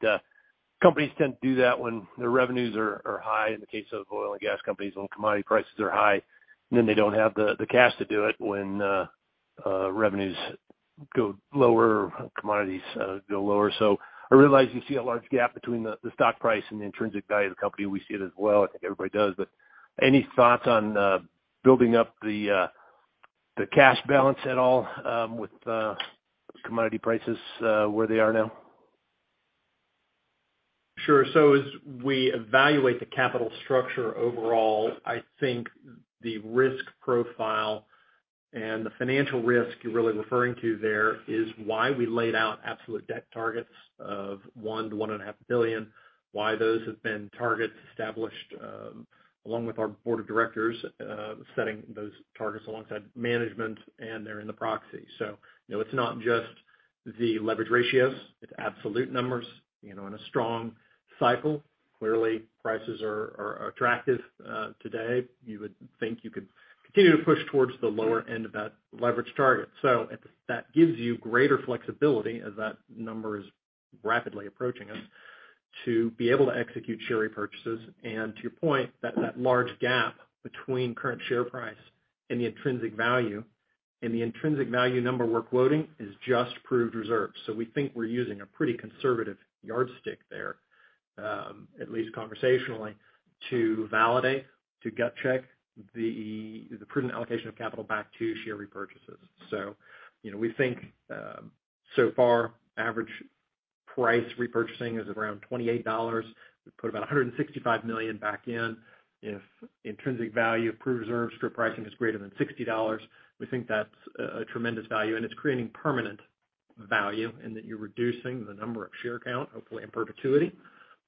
companies tend to do that when their revenues are high. In the case of oil and gas companies, when commodity prices are high, then they don't have the cash to do it when revenues go lower or commodities go lower. I realize you see a large gap between the stock price and the intrinsic value of the company. We see it as well. I think everybody does. Any thoughts on building up the cash balance at all, with commodity prices where they are now? Sure. As we evaluate the capital structure overall, I think the risk profile and the financial risk you're really referring to there is why we laid out absolute debt targets of $1 billion-$1.5 billion, why those have been targets established, along with our board of directors, setting those targets alongside management, and they're in the proxy. You know, it's not just the leverage ratios, it's absolute numbers, you know, in a strong cycle. Clearly, prices are attractive today. You would think you could continue to push towards the lower end of that leverage target. That gives you greater flexibility as that number is rapidly approaching us to be able to execute share repurchases. To your point, that large gap between current share price and the intrinsic value, and the intrinsic value number we're quoting is just proved reserves. We think we're using a pretty conservative yardstick there, at least conversationally, to validate, to gut check the prudent allocation of capital back to share repurchases. You know, we think so far average price repurchasing is around $28. We put about $165 million back in. If intrinsic value of proved reserves strip pricing is greater than $60, we think that's a tremendous value, and it's creating permanent value in that you're reducing the number of share count, hopefully in perpetuity,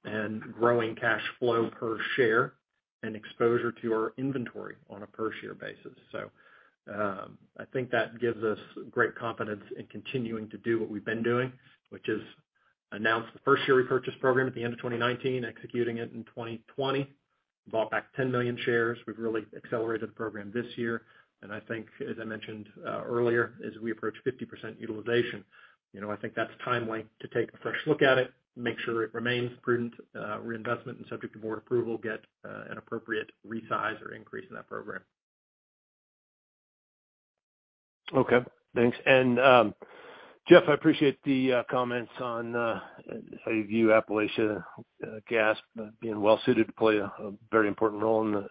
and growing cash flow per share and exposure to our inventory on a per share basis. I think that gives us great confidence in continuing to do what we've been doing, which is announce the first share repurchase program at the end of 2019, executing it in 2020. We bought back 10 million shares. We've really accelerated the program this year. I think, as I mentioned, earlier, as we approach 50% utilization, you know, I think that's timely to take a fresh look at it, make sure it remains prudent reinvestment and subject to board approval, get an appropriate resize or increase in that program. Okay, thanks. Jeff, I appreciate the comments on how you view Appalachia gas being well suited to play a very important role in the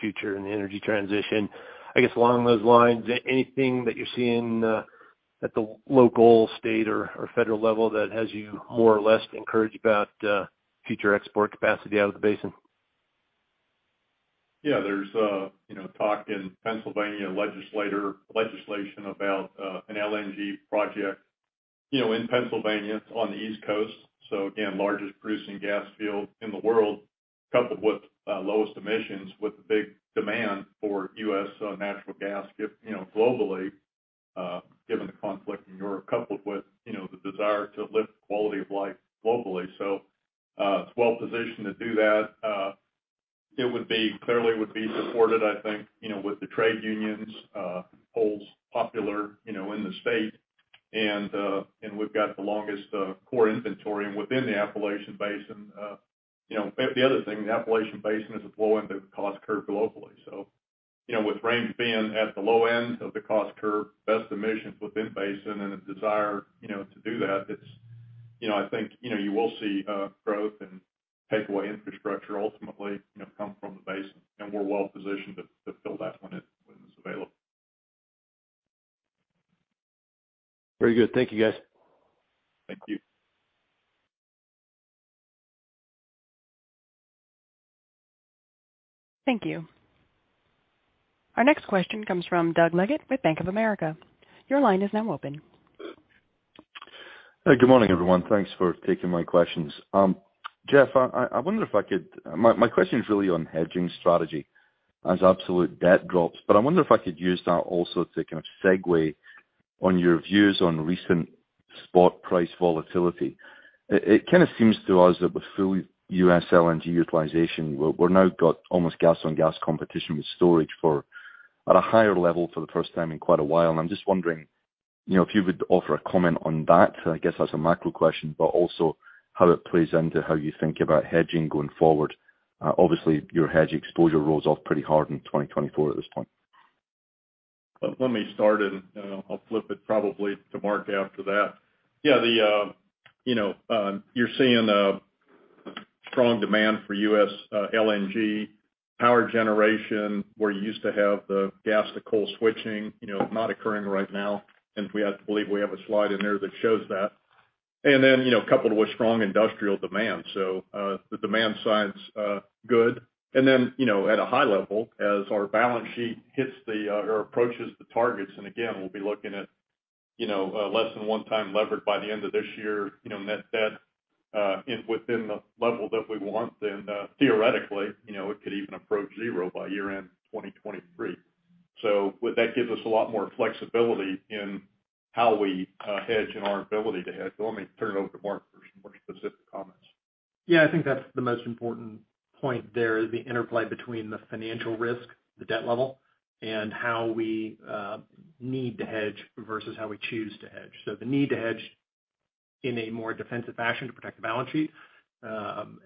future in the energy transition. I guess along those lines, anything that you're seeing at the local, state or federal level that has you more or less encouraged about future export capacity out of the basin? Yeah. There's, you know, talk in Pennsylvania legislation about an LNG project, you know, in Pennsylvania on the East Coast. Again, largest producing gas field in the world. Coupled with lowest emissions with the big demand for U.S. natural gas, you know, globally, given the conflict in Europe, coupled with, you know, the desire to lift quality of life globally. It's well positioned to do that. It clearly would be supported, I think, you know, with the trade unions, it's popular, you know, in the state and we've got the longest core inventory within the Appalachian Basin. You know, the other thing, the Appalachian Basin is a low end of the cost curve globally. You know, with Range being at the low end of the cost curve, best emissions within basin and a desire, you know, to do that, it's, you know, I think, you know, you will see growth and takeaway infrastructure ultimately, you know, come from the basin. We're well positioned to fill that when it's available. Very good. Thank you, guys. Thank you. Thank you. Our next question comes from Doug Leggate with Bank of America. Your line is now open. Hey, good morning, everyone. Thanks for taking my questions. Jeff, I wonder if I could. My question is really on hedging strategy as absolute debt drops, but I wonder if I could use that also to kind of segue on your views on recent spot price volatility. It kind of seems to us that with full U.S. LNG utilization, we're now got almost gas on gas competition with storage for at a higher level for the first time in quite a while. I'm just wondering, you know, if you would offer a comment on that. I guess that's a macro question, but also how it plays into how you think about hedging going forward. Obviously, your hedge exposure rolls off pretty hard in 2024 at this point. Let me start. I'll flip it probably to Mark after that. Yeah, the, you know, you're seeing a strong demand for U.S. LNG power generation, where you used to have the gas to coal switching, you know, not occurring right now. We have to believe we have a slide in there that shows that. You know, coupled with strong industrial demand. The demand side's good. You know, at a high level, as our balance sheet hits the or approaches the targets, and again, we'll be looking at, you know, less than 1x levered by the end of this year, you know, net debt within the level that we want, then, theoretically, you know, it could even approach zero by year-end 2023. with that gives us a lot more flexibility in how we hedge and our ability to hedge. Let me turn it over to Mark for some more specific comments. Yeah, I think that's the most important point there is the interplay between the financial risk, the debt level, and how we need to hedge versus how we choose to hedge. The need to hedge in a more defensive fashion to protect the balance sheet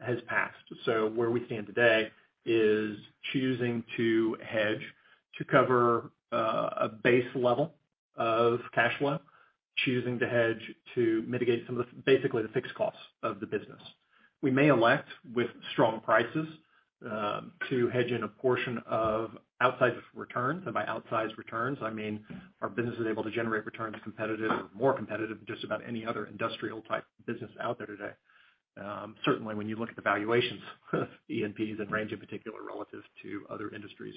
has passed. Where we stand today is choosing to hedge to cover a base level of cash flow, choosing to hedge to mitigate some of the, basically, the fixed costs of the business. We may elect with strong prices to hedge in a portion of outsized returns. By outsized returns, I mean, our business is able to generate returns competitive or more competitive than just about any other industrial type business out there today. Certainly when you look at the valuations of E&Ps and Range in particular relative to other industries.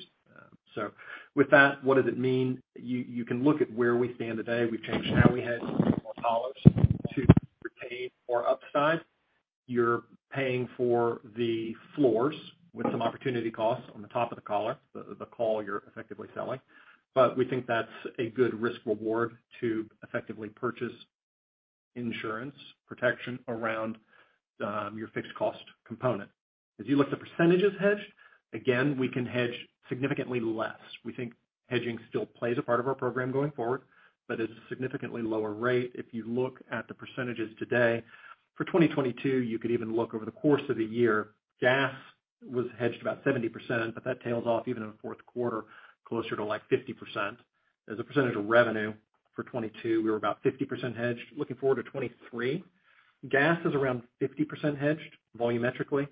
With that, what does it mean? You can look at where we stand today. We've changed how we hedge more collars to retain more upside. You're paying for the floors with some opportunity costs on the top of the collar, the call you're effectively selling. We think that's a good risk reward to effectively purchase insurance protection around your fixed cost component. As you look at the percentages hedged, again, we can hedge significantly less. We think hedging still plays a part of our program going forward, but at a significantly lower rate. If you look at the percentages today, for 2022, you could even look over the course of the year, gas was hedged about 70%, but that tails off even in the fourth quarter, closer to, like, 50%. As a percentage of revenue for 2022, we were about 50% hedged. Looking forward to 2023, gas is around 50% hedged volumetrically.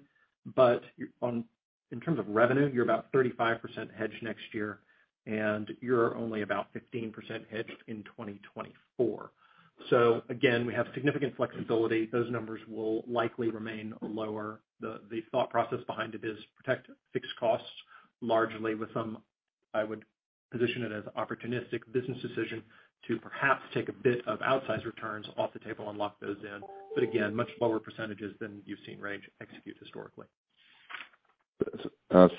On, in terms of revenue, you're about 35% hedged next year, and you're only about 15% hedged in 2024. Again, we have significant flexibility. Those numbers will likely remain lower. The thought process behind it is protect fixed costs largely with some, I would position it as opportunistic business decision to perhaps take a bit of outsized returns off the table and lock those in. Again, much lower percentages than you've seen Range execute historically.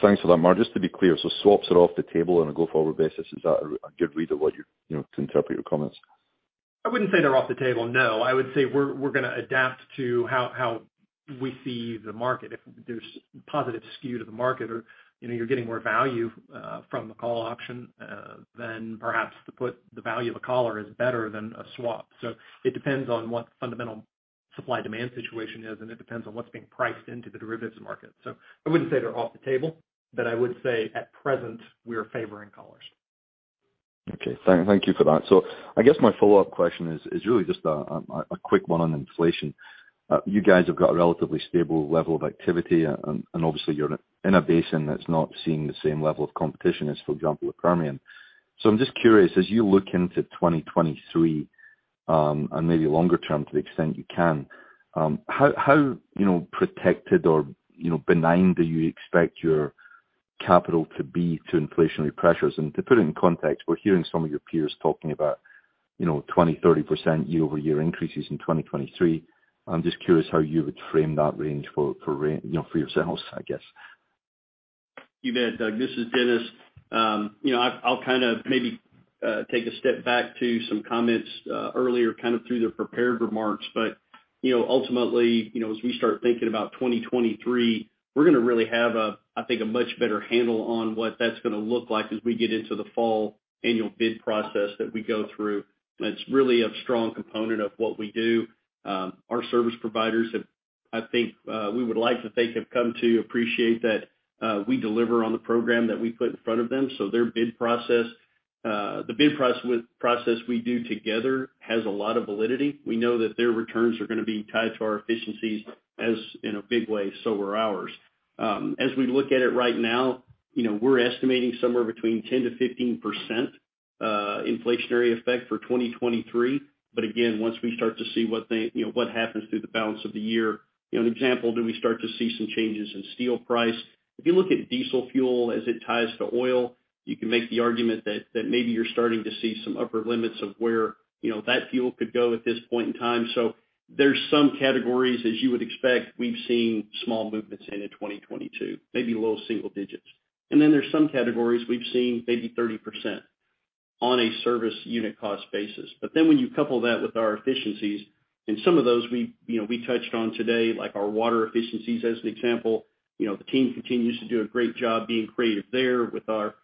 Thanks for that, Mark. Just to be clear, swaps are off the table on a go-forward basis. Is that a good read of what you're, you know, to interpret your comments? I wouldn't say they're off the table, no. I would say we're gonna adapt to how we see the market. If there's positive skew to the market or, you know, you're getting more value from the call option, then perhaps the value of a collar is better than a swap. It depends on what the fundamental supply-demand situation is, and it depends on what's being priced into the derivatives market. I wouldn't say they're off the table, but I would say at present, we're favoring collars. Okay. Thank you for that. I guess my follow-up question is really just a quick one on inflation. You guys have got a relatively stable level of activity and obviously you're in a basin that's not seeing the same level of competition as, for example, the Permian. I'm just curious, as you look into 2023 and maybe longer term to the extent you can, how you know, protected or you know, benign do you expect your capital to be to inflationary pressures? To put it in context, we're hearing some of your peers talking about you know, 20, 30% year-over-year increases in 2023. I'm just curious how you would frame that range for you know, for yourselves, I guess. You bet, Doug. This is Dennis. You know, I'll kind of maybe take a step back to some comments earlier kind of through the prepared remarks. You know, ultimately, you know, as we start thinking about 2023, we're gonna really have a, I think, a much better handle on what that's gonna look like as we get into the fall annual bid process that we go through. It's really a strong component of what we do. Our service providers have, I think, we would like to think, come to appreciate that, we deliver on the program that we put in front of them. Their bid process, the bid process we do together has a lot of validity. We know that their returns are gonna be tied to our efficiencies in a big way, so are ours. As we look at it right now, you know, we're estimating somewhere between 10%-15% inflationary effect for 2023. Again, once we start to see what they, you know, what happens through the balance of the year. You know, an example, do we start to see some changes in steel price? If you look at diesel fuel as it ties to oil, you can make the argument that maybe you're starting to see some upper limits of where, you know, that fuel could go at this point in time. So there's some categories as you would expect, we've seen small movements in 2022, maybe low single digits. Then there's some categories we've seen maybe 30% on a service unit cost basis. when you couple that with our efficiencies, and some of those we, you know, we touched on today, like our water efficiencies as an example, you know, the team continues to do a great job being creative there with our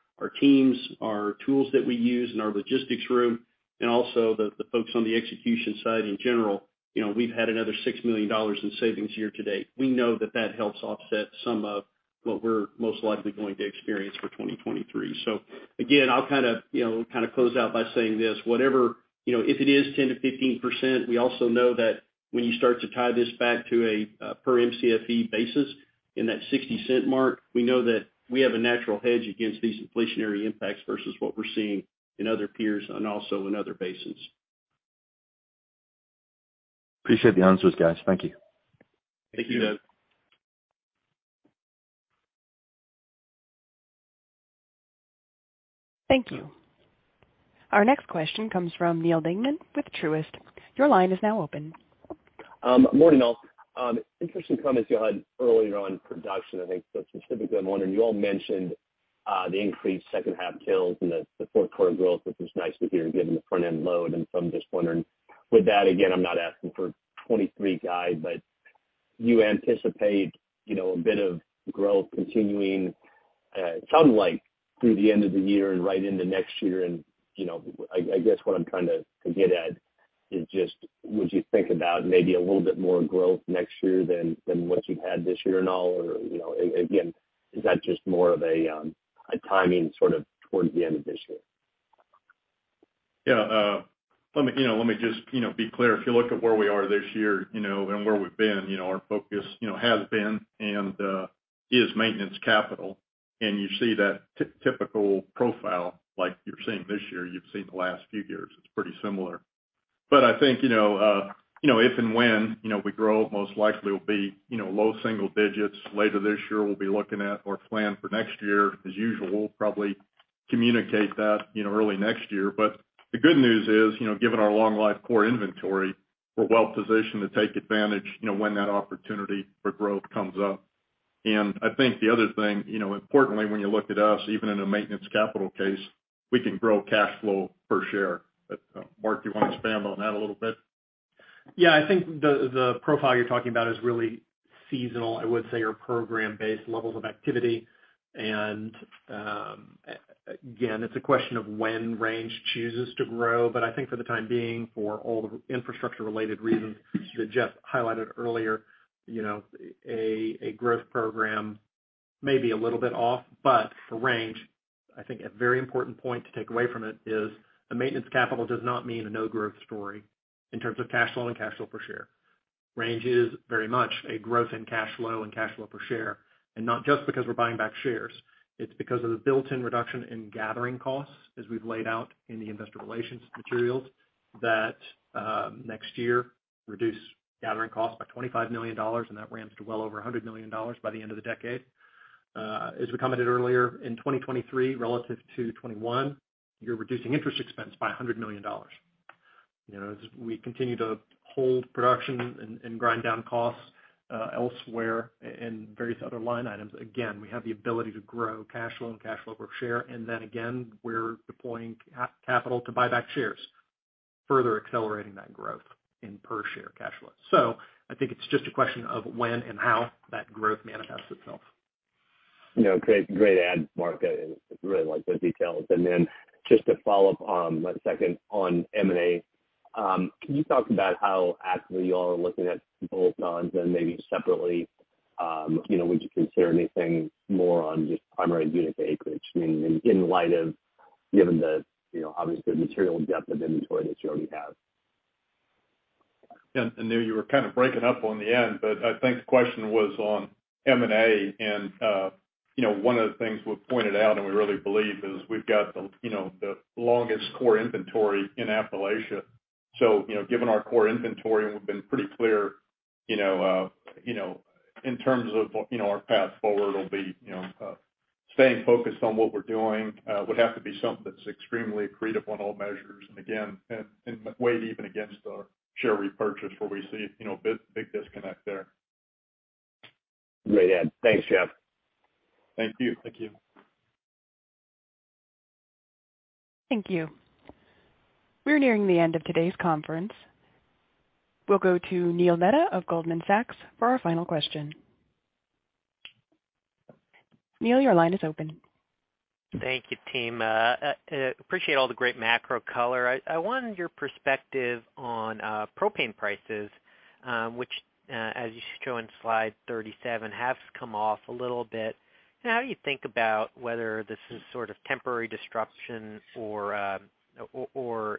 teams, our tools that we use in our logistics room, and also the folks on the execution side in general, you know, we've had another $6 million in savings year to date. We know that that helps offset some of what we're most likely going to experience for 2023. Again, I'll kind of, you know, kind of close out by saying this, whatever, you know, if it is 10%-15%, we also know that when you start to tie this back to a per Mcfe basis in that $0.60 mark, we know that we have a natural hedge against these inflationary impacts versus what we're seeing in other peers and also in other basins. Appreciate the answers, guys. Thank you. Thank you, Doug. Thank you. Our next question comes from Neal Dingmann with Truist. Your line is now open. Morning, all. Interesting comments you had earlier on production, I think. Specifically, I'm wondering, you all mentioned the increased second half builds and the fourth quarter growth, which is nice to hear given the front-end load. I'm just wondering, with that, again, I'm not asking for 2023 guide, but you anticipate, you know, a bit of growth continuing, it sounded like through the end of the year and right into next year. You know, I guess what I'm trying to get at is just, would you think about maybe a little bit more growth next year than what you've had this year and all? Or, you know, again, is that just more of a timing sort of towards the end of this year? Yeah. Let me, you know, let me just, you know, be clear. If you look at where we are this year, you know, and where we've been, you know, our focus, you know, has been and is maintenance capital. You see that typical profile like you're seeing this year, you've seen the last few years. It's pretty similar. I think, you know, you know, if and when, you know, we grow, most likely it'll be, you know, low single digits later this year, we'll be looking at or plan for next year. As usual, we'll probably communicate that, you know, early next year. The good news is, you know, given our long life core inventory, we're well positioned to take advantage, you know, when that opportunity for growth comes up. I think the other thing, you know, importantly when you look at us, even in a maintenance capital case, we can grow cash flow per share. Mark, do you want to expand on that a little bit? Yeah. I think the profile you're talking about is really seasonal, I would say, or program based levels of activity. It's a question of when Range chooses to grow. I think for the time being, for all the infrastructure related reasons that Jeff highlighted earlier, you know, a growth program may be a little bit off, but for Range, I think a very important point to take away from it is a maintenance capital does not mean a no growth story in terms of cash flow and cash flow per share. Range is very much a growth in cash flow and cash flow per share, and not just because we're buying back shares. It's because of the built-in reduction in gathering costs as we've laid out in the investor relations materials that next year reduce gathering costs by $25 million, and that ramps to well over $100 million by the end of the decade. As we commented earlier, in 2023 relative to 2021, you're reducing interest expense by $100 million. You know, as we continue to hold production and grind down costs elsewhere and various other line items, again, we have the ability to grow cash flow and cash flow per share. Then again, we're deploying capital to buy back shares, further accelerating that growth in per share cash flow. I think it's just a question of when and how that growth manifests itself. You know, great add, Mark. I really like those details. Just to follow up on M&A. Can you talk about how actively you all are looking at bolt-ons and maybe separately, you know, would you consider anything more on just primary unit acreage? I mean, in light of, given the, you know, obviously the material depth of inventory that you already have. Yeah. There you were kind of breaking up on the end, but I think the question was on M&A. You know, one of the things we've pointed out and we really believe is we've got the, you know, the longest core inventory in Appalachia. You know, given our core inventory, and we've been pretty clear. You know, you know, in terms of, you know, our path forward will be, you know, staying focused on what we're doing, would have to be something that's extremely accretive on all measures. Again, weighed even against our share repurchase where we see, you know, big disconnect there. Great add. Thanks, Jeff. Thank you. Thank you. Thank you. We're nearing the end of today's conference. We'll go to Neil Mehta of Goldman Sachs for our final question. Neil, your line is open. Thank you, team. Appreciate all the great macro color. I wanted your perspective on propane prices, which, as you show in slide 37, has come off a little bit. How do you think about whether this is sort of temporary disruption or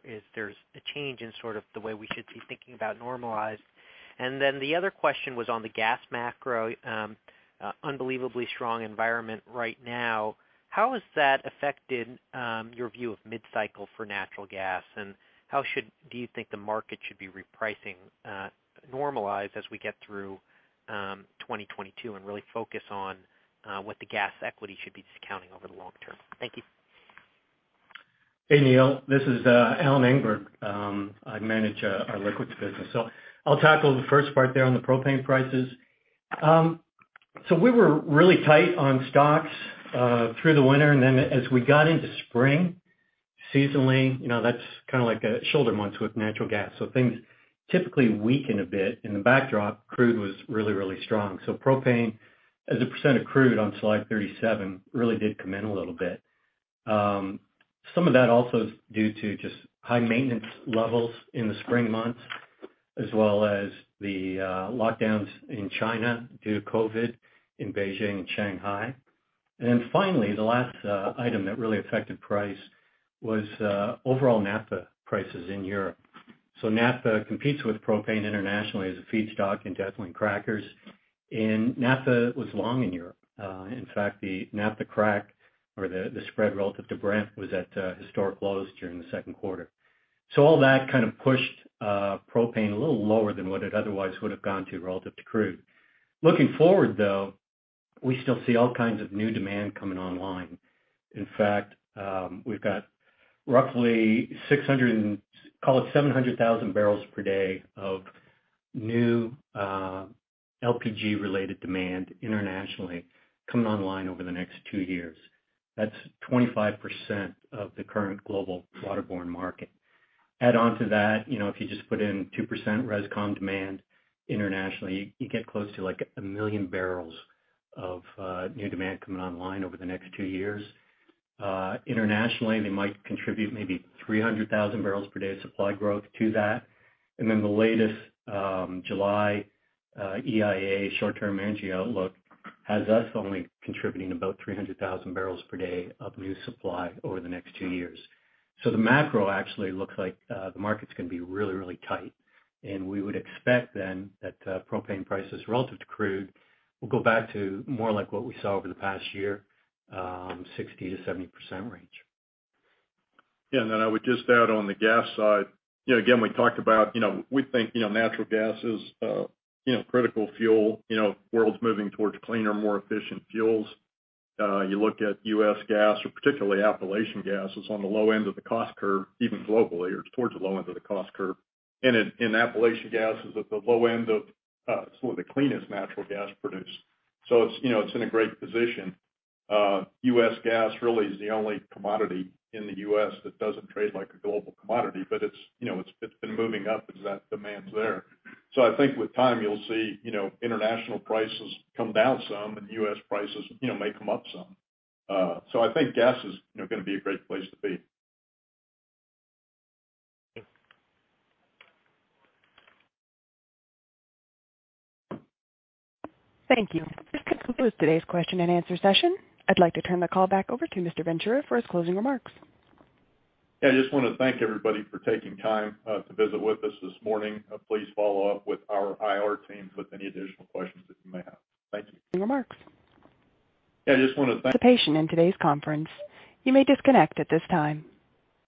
if there's a change in sort of the way we should be thinking about normalized? The other question was on the gas macro, unbelievably strong environment right now. How has that affected your view of mid-cycle for natural gas and how do you think the market should be repricing normalized as we get through 2022 and really focus on what the gas equity should be discounting over the long term? Thank you. Hey, Neil. This is Alan Engberg. I manage our liquids business. I'll tackle the first part there on the propane prices. We were really tight on stocks through the winter. As we got into spring, seasonally, you know, that's kind of like a shoulder months with natural gas. Things typically weaken a bit. In the backdrop, crude was really, really strong. Propane as a % of crude on slide 37 really did come in a little bit. Some of that also is due to just high maintenance levels in the spring months, as well as the lockdowns in China due to COVID in Beijing and Shanghai. Finally, the last item that really affected price was overall naphtha prices in Europe. Naphtha competes with propane internationally as a feedstock in gasoline crackers, and naphtha was long in Europe. In fact, the naphtha crack or the spread relative to Brent was at historic lows during the second quarter. All that kind of pushed propane a little lower than what it otherwise would have gone to relative to crude. Looking forward, though, we still see all kinds of new demand coming online. In fact, we've got roughly 600 and call it 700 thousand barrels per day of new LPG-related demand internationally coming online over the next two years. That's 25% of the current global waterborne market. Add on to that, you know, if you just put in 2% rescom demand internationally, you get close to, like, 1 million barrels of new demand coming online over the next two years. Internationally, they might contribute maybe 300,000 barrels per day of supply growth to that. The latest July EIA short-term energy outlook has us only contributing about 300,000 barrels per day of new supply over the next two years. The macro actually looks like the market's gonna be really, really tight, and we would expect then that propane prices relative to crude will go back to more like what we saw over the past year, 60%-70% range. Yeah. I would just add on the gas side, you know, again, we talked about, you know, we think, you know, natural gas is critical fuel. You know, world's moving towards cleaner, more efficient fuels. You look at US gas or particularly Appalachian gas is on the low end of the cost curve, even globally, or towards the low end of the cost curve. Appalachian gas is at the low end of some of the cleanest natural gas produced. So it's, you know, it's in a great position. US gas really is the only commodity in the US that doesn't trade like a global commodity, but it's, you know, it's been moving up as that demand's there. I think with time, you'll see, you know, international prices come down some and U.S. prices, you know, may come up some. I think gas is, you know, gonna be a great place to be. Yeah. Thank you. This concludes today's question and answer session. I'd like to turn the call back over to Mr. Ventura for his closing remarks. Yeah, I just wanna thank everybody for taking time to visit with us this morning. Please follow up with our IR teams with any additional questions that you may have. Thank you. Remarks. Yeah, I just wanna thank. Participation in today's conference. You may disconnect at this time.